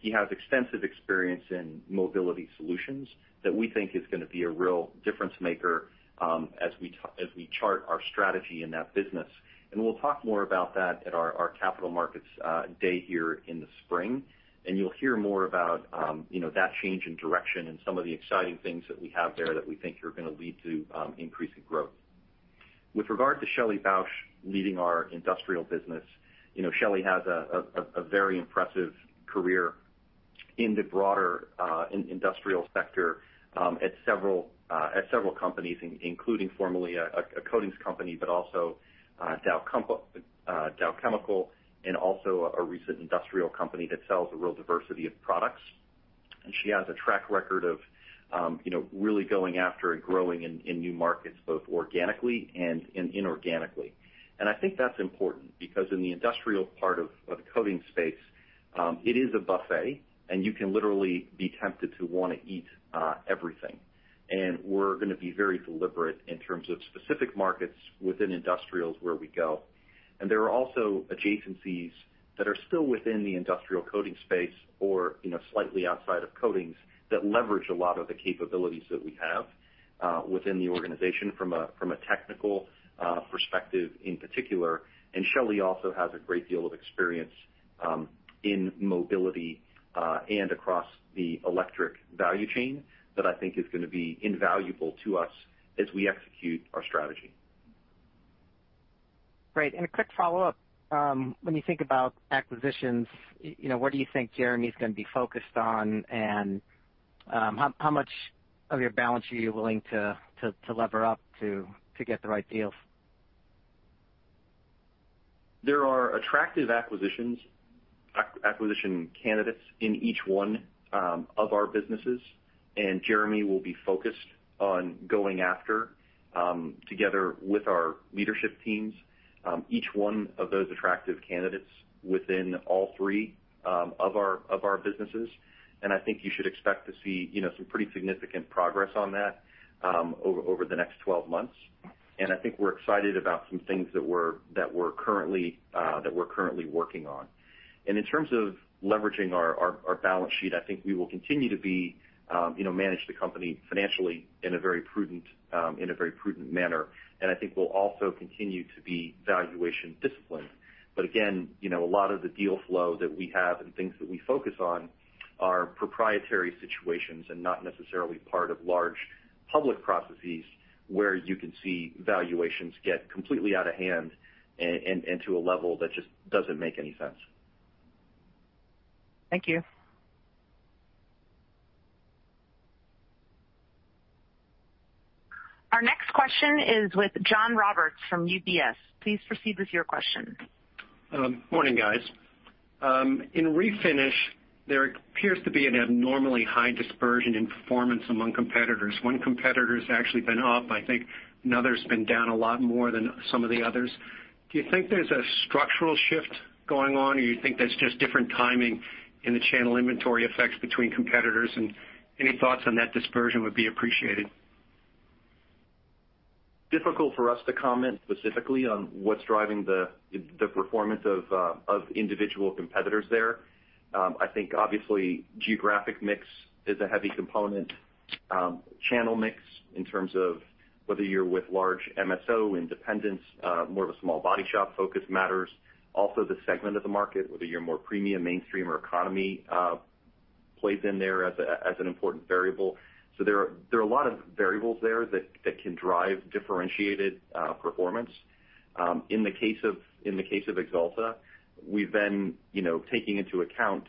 He has extensive experience in mobility solutions that we think is going to be a real difference maker as we chart our strategy in that business. We'll talk more about that at our Capital Markets Day here in the spring. You'll hear more about that change in direction and some of the exciting things that we have there that we think are going to lead to increasing growth. With regard to Shelley Bausch leading our Industrial Coatings, Shelley has a very impressive career in the broader industrial sector at several companies, including formerly a coatings company, but also Dow Chemical, and also a recent industrial company that sells a real diversity of products. She has a track record of really going after and growing in new markets, both organically and inorganically. I think that's important because in the industrial part of the coatings space, it is a buffet, and you can literally be tempted to want to eat everything. We're going to be very deliberate in terms of specific markets within industrials where we go. There are also adjacencies that are still within the industrial coating space or slightly outside of coatings that leverage a lot of the capabilities that we have within the organization from a technical perspective in particular. Shelley also has a great deal of experience in mobility and across the electric value chain that I think is going to be invaluable to us as we execute our strategy. Great. A quick follow-up. When you think about acquisitions, what do you think Jeremy's going to be focused on, and how much of your balance sheet are you willing to lever up to get the right deals? There are attractive acquisition candidates in each one of our businesses, Jeremy will be focused on going after, together with our leadership teams, each one of those attractive candidates within all three of our businesses. I think you should expect to see some pretty significant progress on that over the next 12 months. I think we're excited about some things that we're currently working on. In terms of leveraging our balance sheet, I think we will continue to manage the company financially in a very prudent manner. I think we'll also continue to be valuation disciplined. Again, a lot of the deal flow that we have and things that we focus on are proprietary situations and not necessarily part of large public processes where you can see valuations get completely out of hand and to a level that just doesn't make any sense. Thank you. Our next question is with John Roberts from UBS. Please proceed with your question. Morning, guys. In Refinish, there appears to be an abnormally high dispersion in performance among competitors. One competitor's actually been up, I think another's been down a lot more than some of the others. Do you think there's a structural shift going on, or you think that's just different timing in the channel inventory effects between competitors, and any thoughts on that dispersion would be appreciated? Difficult for us to comment specifically on what's driving the performance of individual competitors there. I think obviously geographic mix is a heavy component. Channel mix in terms of whether you're with large MSO independents, more of a small body shop focus matters. Also the segment of the market, whether you're more premium, mainstream, or economy, plays in there as an important variable. There are a lot of variables there that can drive differentiated performance. In the case of Axalta, we've been taking into account,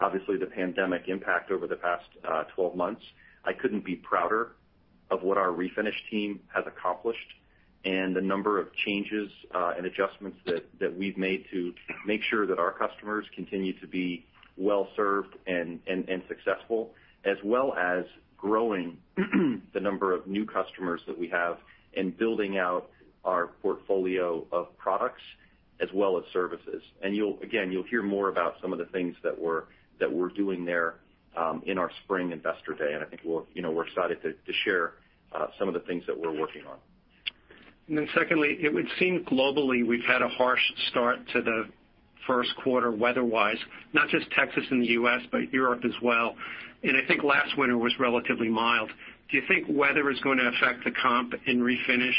obviously, the pandemic impact over the past 12 months. I couldn't be prouder of what our Refinish team has accomplished and the number of changes and adjustments that we've made to make sure that our customers continue to be well-served and successful, as well as growing the number of new customers that we have, and building out our portfolio of products as well as services. Again, you'll hear more about some of the things that we're doing there in our spring investor day. I think we're excited to share some of the things that we're working on. Then secondly, it would seem globally, we've had a harsh start to the Q1 weather-wise, not just Texas and the U.S., but Europe as well. I think last winter was relatively mild. Do you think weather is going to affect the comp in Refinish,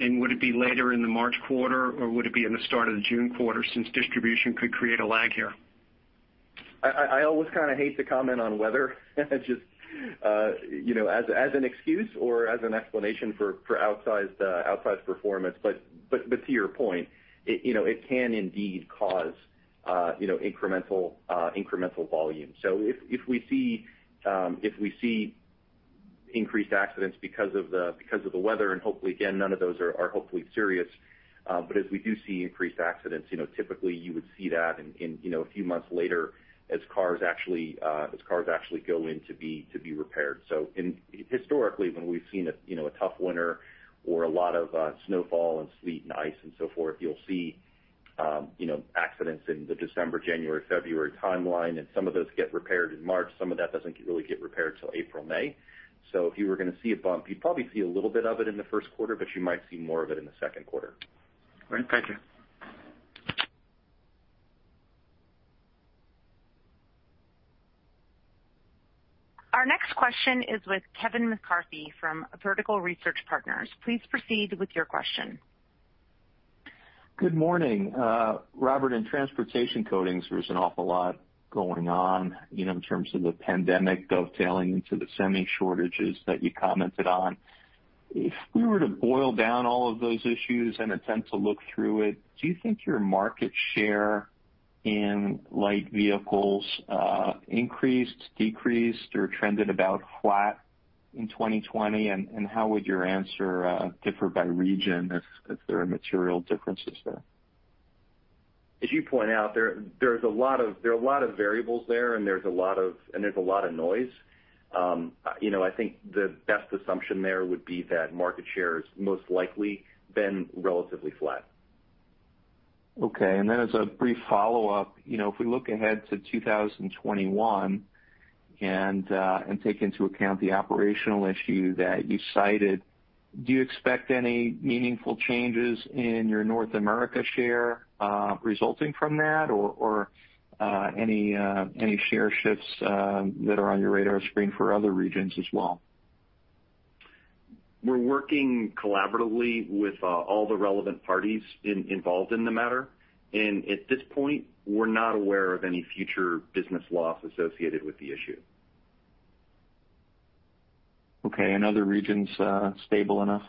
and would it be later in the March quarter, or would it be in the start of the June quarter since distribution could create a lag here? I always kind of hate to comment on weather as an excuse or as an explanation for outsized performance. To your point, it can indeed cause incremental volume. If we see increased accidents because of the weather, and hopefully again, none of those are hopefully serious. As we do see increased accidents, typically you would see that a few months later as cars actually go in to be repaired. Historically, when we've seen a tough winter or a lot of snowfall and sleet and ice and so forth, you'll see accidents in the December, January, February timeline, and some of those get repaired in March. Some of that doesn't really get repaired till April, May. If you were going to see a bump, you'd probably see a little bit of it in the Q1, but you might see more of it in the Q2. Great. Thank you. Our next question is with Kevin McCarthy from Vertical Research Partners. Please proceed with your question. Good morning. Robert, in Transportation Coatings, there's an awful lot going on in terms of the pandemic dovetailing into the semi shortages that you commented on. If we were to boil down all of those issues and attempt to look through it, do you think your market share in Light Vehicle increased, decreased, or trended about flat in 2020? How would your answer differ by region if there are material differences there? As you point out, there are a lot of variables there, and there's a lot of noise. I think the best assumption there would be that market share has most likely been relatively flat. As a brief follow-up, if we look ahead to 2021 and take into account the operational issue that you cited, do you expect any meaningful changes in your North America share resulting from that, or any share shifts that are on your radar screen for other regions as well? We're working collaboratively with all the relevant parties involved in the matter. At this point, we're not aware of any future business loss associated with the issue. Okay. Other regions stable enough?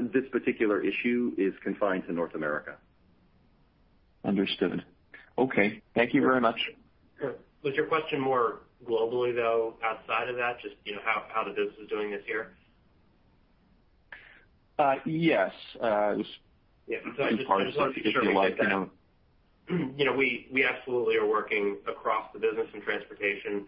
This particular issue is confined to North America. Understood. Okay. Thank you very much. Sure. Was your question more globally, though, outside of that, just how the business is doing this year? Yes. Yeah. I just want to be sure we hit that. We absolutely are working across the business and Transportation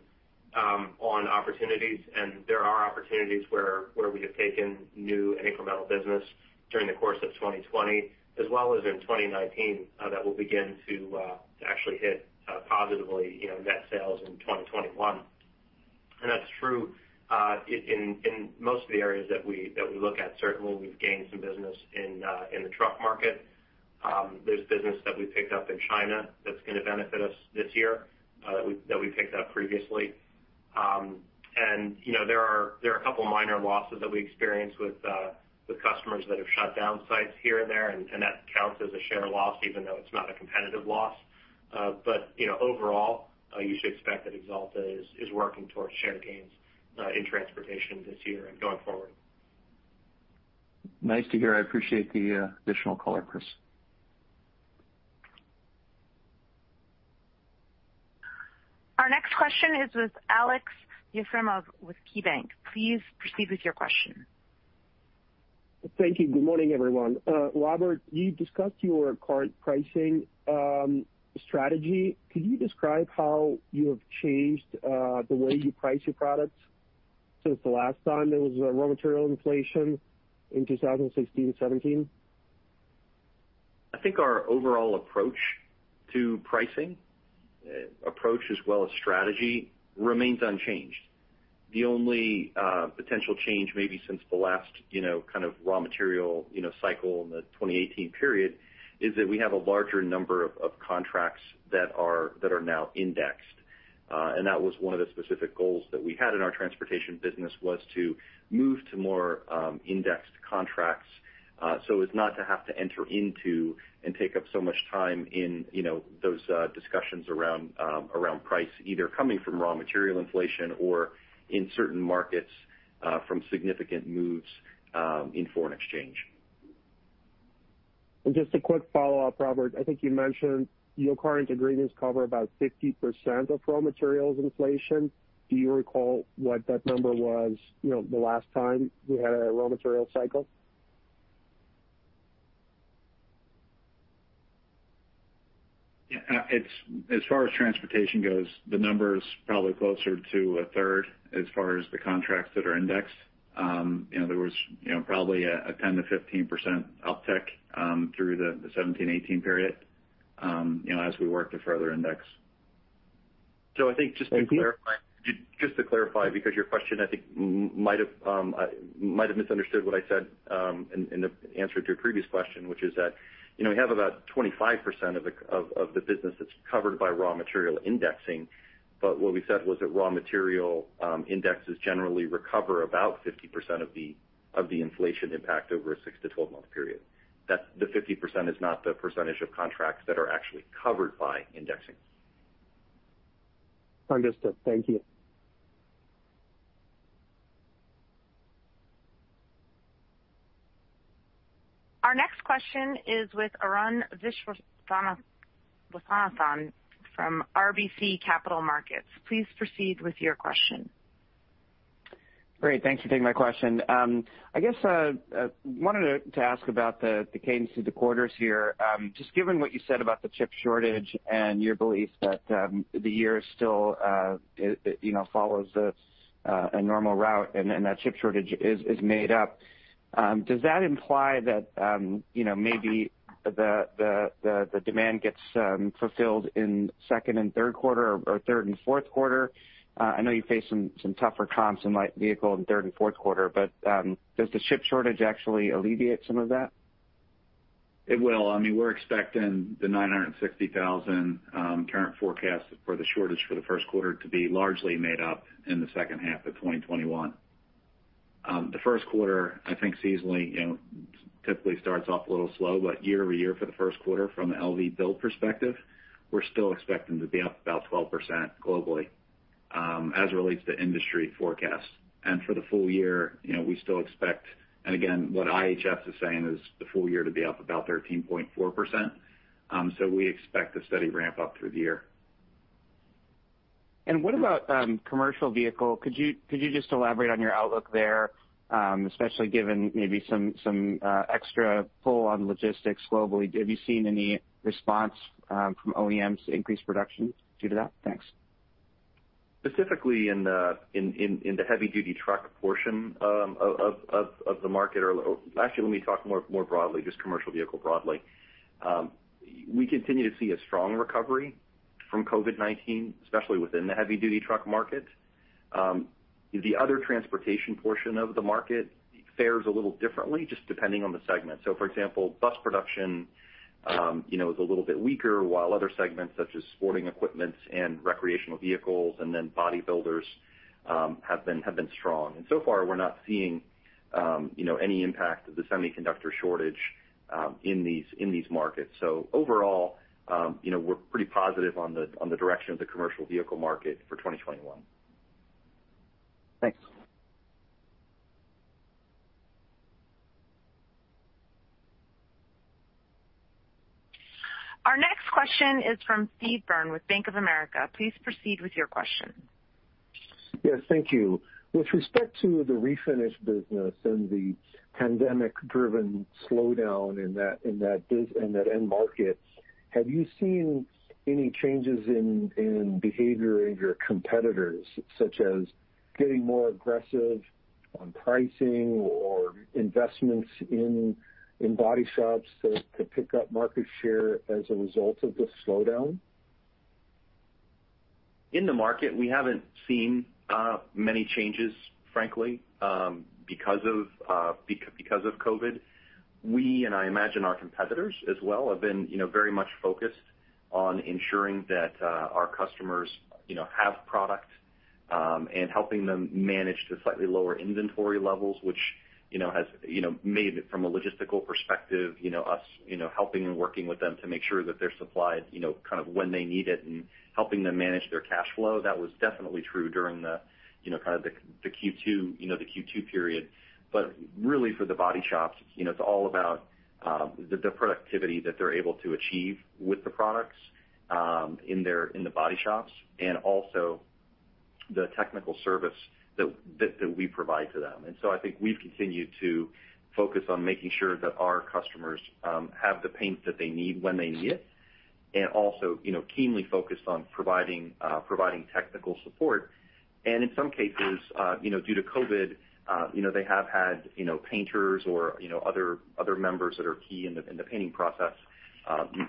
on opportunities, there are opportunities where we have taken new and incremental business during the course of 2020 as well as in 2019, that will begin to actually hit positively net sales in 2021. That's true in most of the areas that we look at. Certainly, we've gained some business in the truck market. There's business that we picked up in China that's going to benefit us this year, that we picked up previously. There are a couple of minor losses that we experienced with customers that have shut down sites here and there, that counts as a share loss even though it's not a competitive loss. Overall, you should expect that Axalta is working towards share gains in Transportation this year and going forward. Nice to hear. I appreciate the additional color, Chris. Our next question is with Aleksey Yefremov with KeyBanc. Please proceed with your question. Thank you. Good morning, everyone. Robert, you've discussed your current pricing strategy. Could you describe how you have changed the way you price your products since the last time there was a raw material inflation in 2016, 2017? I think our overall approach to pricing, approach as well as strategy, remains unchanged. The only potential change maybe since the last kind of raw material cycle in the 2018 period is that we have a larger number of contracts that are now indexed. That was one of the specific goals that we had in our transportation business was to move to more indexed contracts, so as not to have to enter into and take up so much time in those discussions around price, either coming from raw material inflation or in certain markets, from significant moves in foreign exchange. Just a quick follow-up, Robert. I think you mentioned your current agreements cover about 50% of raw materials inflation. Do you recall what that number was the last time we had a raw material cycle? Yeah. As far as transportation goes, the number is probably closer to a third as far as the contracts that are indexed. There was probably a 10%-15% uptick through the 2017, 2018 period as we worked to further index. Thank you. I think just to clarify, because your question, I think, might have misunderstood what I said in the answer to your previous question, which is that we have about 25% of the business that's covered by raw material indexing. What we said was that raw material indexes generally recover about 50% of the inflation impact over a six to 12-month period. The 50% is not the percentage of contracts that are actually covered by indexing. Understood. Thank you. Our next question is with Arun Viswanathan from RBC Capital Markets. Please proceed with your question. Great. Thanks for taking my question. I guess I wanted to ask about the cadence of the quarters here. Just given what you said about the chip shortage and your belief that the year still follows a normal route and that chip shortage is made up, does that imply that maybe the demand gets fulfilled in Q2 and Q3 or Q3 and Q4? I know you face some tougher comps in Light Vehicle in Q3 and Q4. Does the chip shortage actually alleviate some of that? It will. We're expecting the 960,000 current forecast for the shortage for the Q1 to be largely made up in the second half of 2021. The Q1, I think seasonally, typically starts off a little slow, but year-over-year for the Q1 from the LV build perspective, we're still expecting to be up about 12% globally as it relates to industry forecasts. For the full year, we still expect, and again, what IHS is saying is the full year to be up about 13.4%. We expect a steady ramp-up through the year. What about commercial vehicle? Could you just elaborate on your outlook there, especially given maybe some extra pull on logistics globally? Have you seen any response from OEMs increase production due to that? Thanks. Specifically in the heavy-duty truck portion of the market, or actually, let me talk more broadly, just commercial vehicle broadly. We continue to see a strong recovery from COVID-19, especially within the heavy-duty truck market. The other transportation portion of the market fares a little differently just depending on the segment. For example, bus production is a little bit weaker, while other segments such as sporting equipment and recreational vehicles and then body builders have been strong. So far, we're not seeing any impact of the semiconductor shortage in these markets. Overall, we're pretty positive on the direction of the commercial vehicle market for 2021. Thanks. Our next question is from Steve Byrne with Bank of America. Please proceed with your question. Yes. Thank you. With respect to the Refinish business and the pandemic-driven slowdown in that end market, have you seen any changes in behavior in your competitors, such as getting more aggressive on pricing or investments in body shops to pick up market share as a result of the slowdown? In the market, we haven't seen many changes, frankly, because of COVID. We, and I imagine our competitors as well, have been very much focused on ensuring that our customers have product and helping them manage to slightly lower inventory levels, which has made it from a logistical perspective, us helping and working with them to make sure that they're supplied kind of when they need it and helping them manage their cash flow. That was definitely true during the kind of the Q2 period. Really for the body shops, it's all about the productivity that they're able to achieve with the products in the body shops and also the technical service that we provide to them. I think we've continued to focus on making sure that our customers have the paints that they need when they need it. Also keenly focused on providing technical support. In some cases, due to COVID, they have had painters or other members that are key in the painting process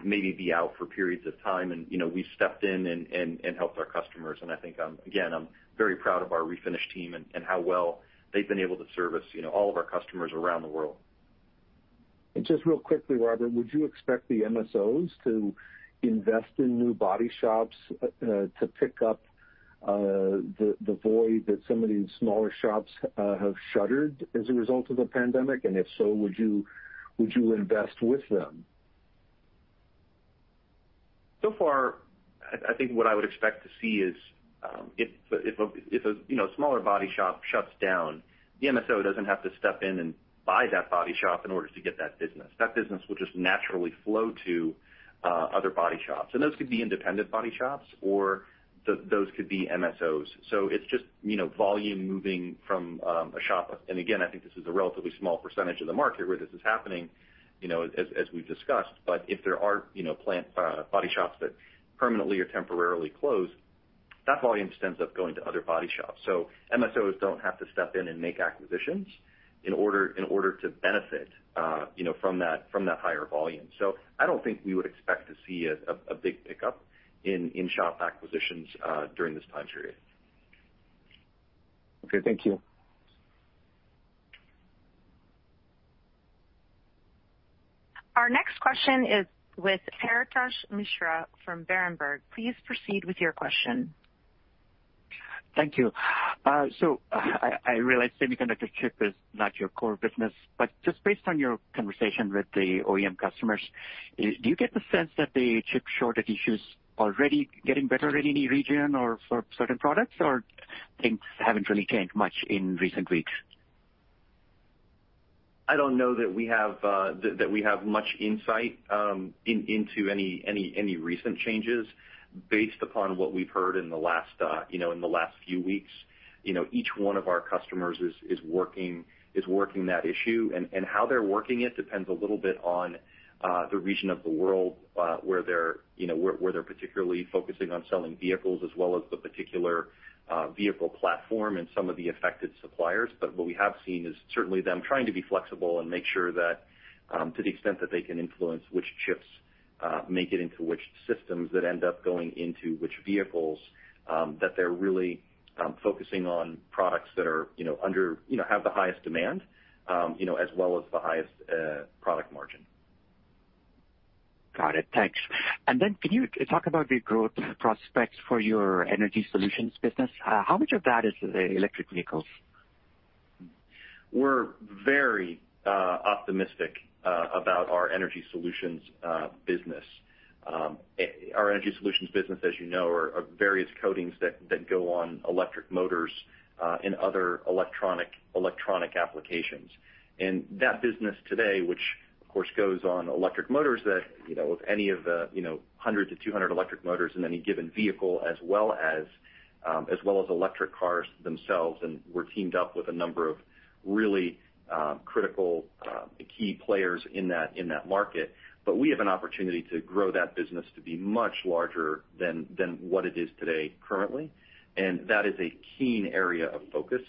maybe be out for periods of time, and we've stepped in and helped our customers. I think, again, I'm very proud of our Refinish team and how well they've been able to service all of our customers around the world. Just real quickly, Robert, would you expect the MSOs to invest in new body shops to pick up the void that some of these smaller shops have shuttered as a result of the pandemic? If so, would you invest with them? So far, I think what I would expect to see is, if a smaller body shop shuts down, the MSO doesn't have to step in and buy that body shop in order to get that business. That business will just naturally flow to other body shops, and those could be independent body shops, or those could be MSOs. It's just volume moving from a shop. Again, I think this is a relatively small percentage of the market where this is happening, as we've discussed. If there are body shops that permanently or temporarily close, that volume just ends up going to other body shops. MSOs don't have to step in and make acquisitions in order to benefit from that higher volume. I don't think we would expect to see a big pickup in in-shop acquisitions during this time period. Okay, thank you. Our next question is with Paretosh Misra from Berenberg. Please proceed with your question. Thank you. I realize semiconductor chip is not your core business, but just based on your conversation with the OEM customers, do you get the sense that the chip shortage issue's already getting better in any region or for certain products, or things haven't really changed much in recent weeks? I don't know that we have much insight into any recent changes based upon what we've heard in the last few weeks. Each one of our customers is working that issue, and how they're working it depends a little bit on the region of the world where they're particularly focusing on selling vehicles as well as the particular vehicle platform and some of the affected suppliers. What we have seen is certainly them trying to be flexible and make sure that to the extent that they can influence which chips make it into which systems that end up going into which vehicles, that they're really focusing on products that have the highest demand as well as the highest product margin. Got it. Thanks. Can you talk about the growth prospects for your Energy Solutions business? How much of that is the electric vehicles? We're very optimistic about our Energy Solutions business. Our Energy Solutions business, as you know, are various coatings that go on electric motors and other electronic applications. That business today, which of course goes on electric motors that with any of the 100-200 electric motors in any given vehicle as well as electric cars themselves, we're teamed up with a number of really critical key players in that market. We have an opportunity to grow that business to be much larger than what it is today currently, and that is a keen area of focus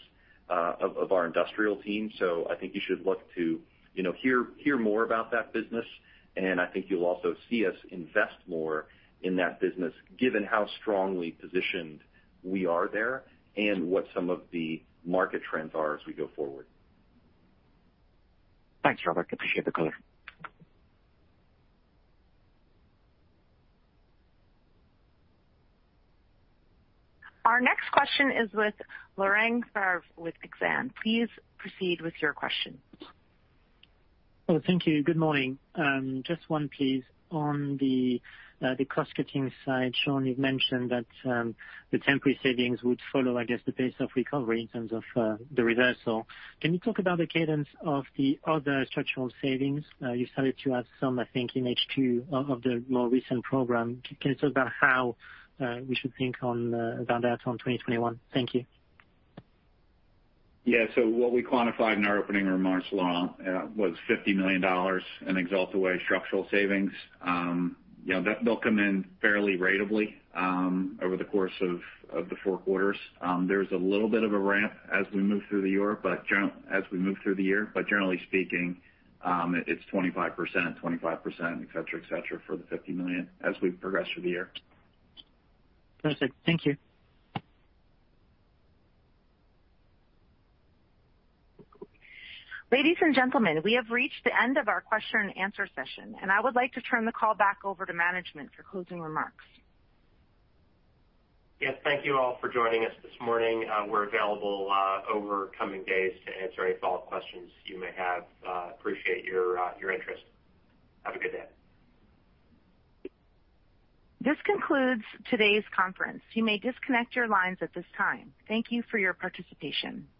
of our Industrial team. I think you should look to hear more about that business, I think you'll also see us invest more in that business given how strongly positioned we are there and what some of the market trends are as we go forward. Thanks, Robert. Appreciate the color. Our next question is with Laurent Favre with Exane. Please proceed with your question. Oh, thank you. Good morning. Just one, please, on the cost-cutting side. Sean, you've mentioned that the temporary savings would follow, I guess, the pace of recovery in terms of the reversal. Can you talk about the cadence of the other structural savings? You started to add some, I think, in H2 of the more recent program. Can you talk about how we should think about that on 2021? Thank you. What we quantified in our opening remarks, Laurent, was $50 million in Axalta Way structural savings. They'll come in fairly ratably over the course of the four quarters. There's a little bit of a ramp as we move through the year, but generally speaking, it's 25%, 25%, et cetera, et cetera, for the $50 million as we progress through the year. Perfect. Thank you. Ladies and gentlemen, we have reached the end of our question and answer session, and I would like to turn the call back over to management for closing remarks. Yes, thank you all for joining us this morning. We're available over coming days to answer any follow-up questions you may have. Appreciate your interest. Have a good day. This concludes today's conference. You may disconnect your lines at this time. Thank you for your participation.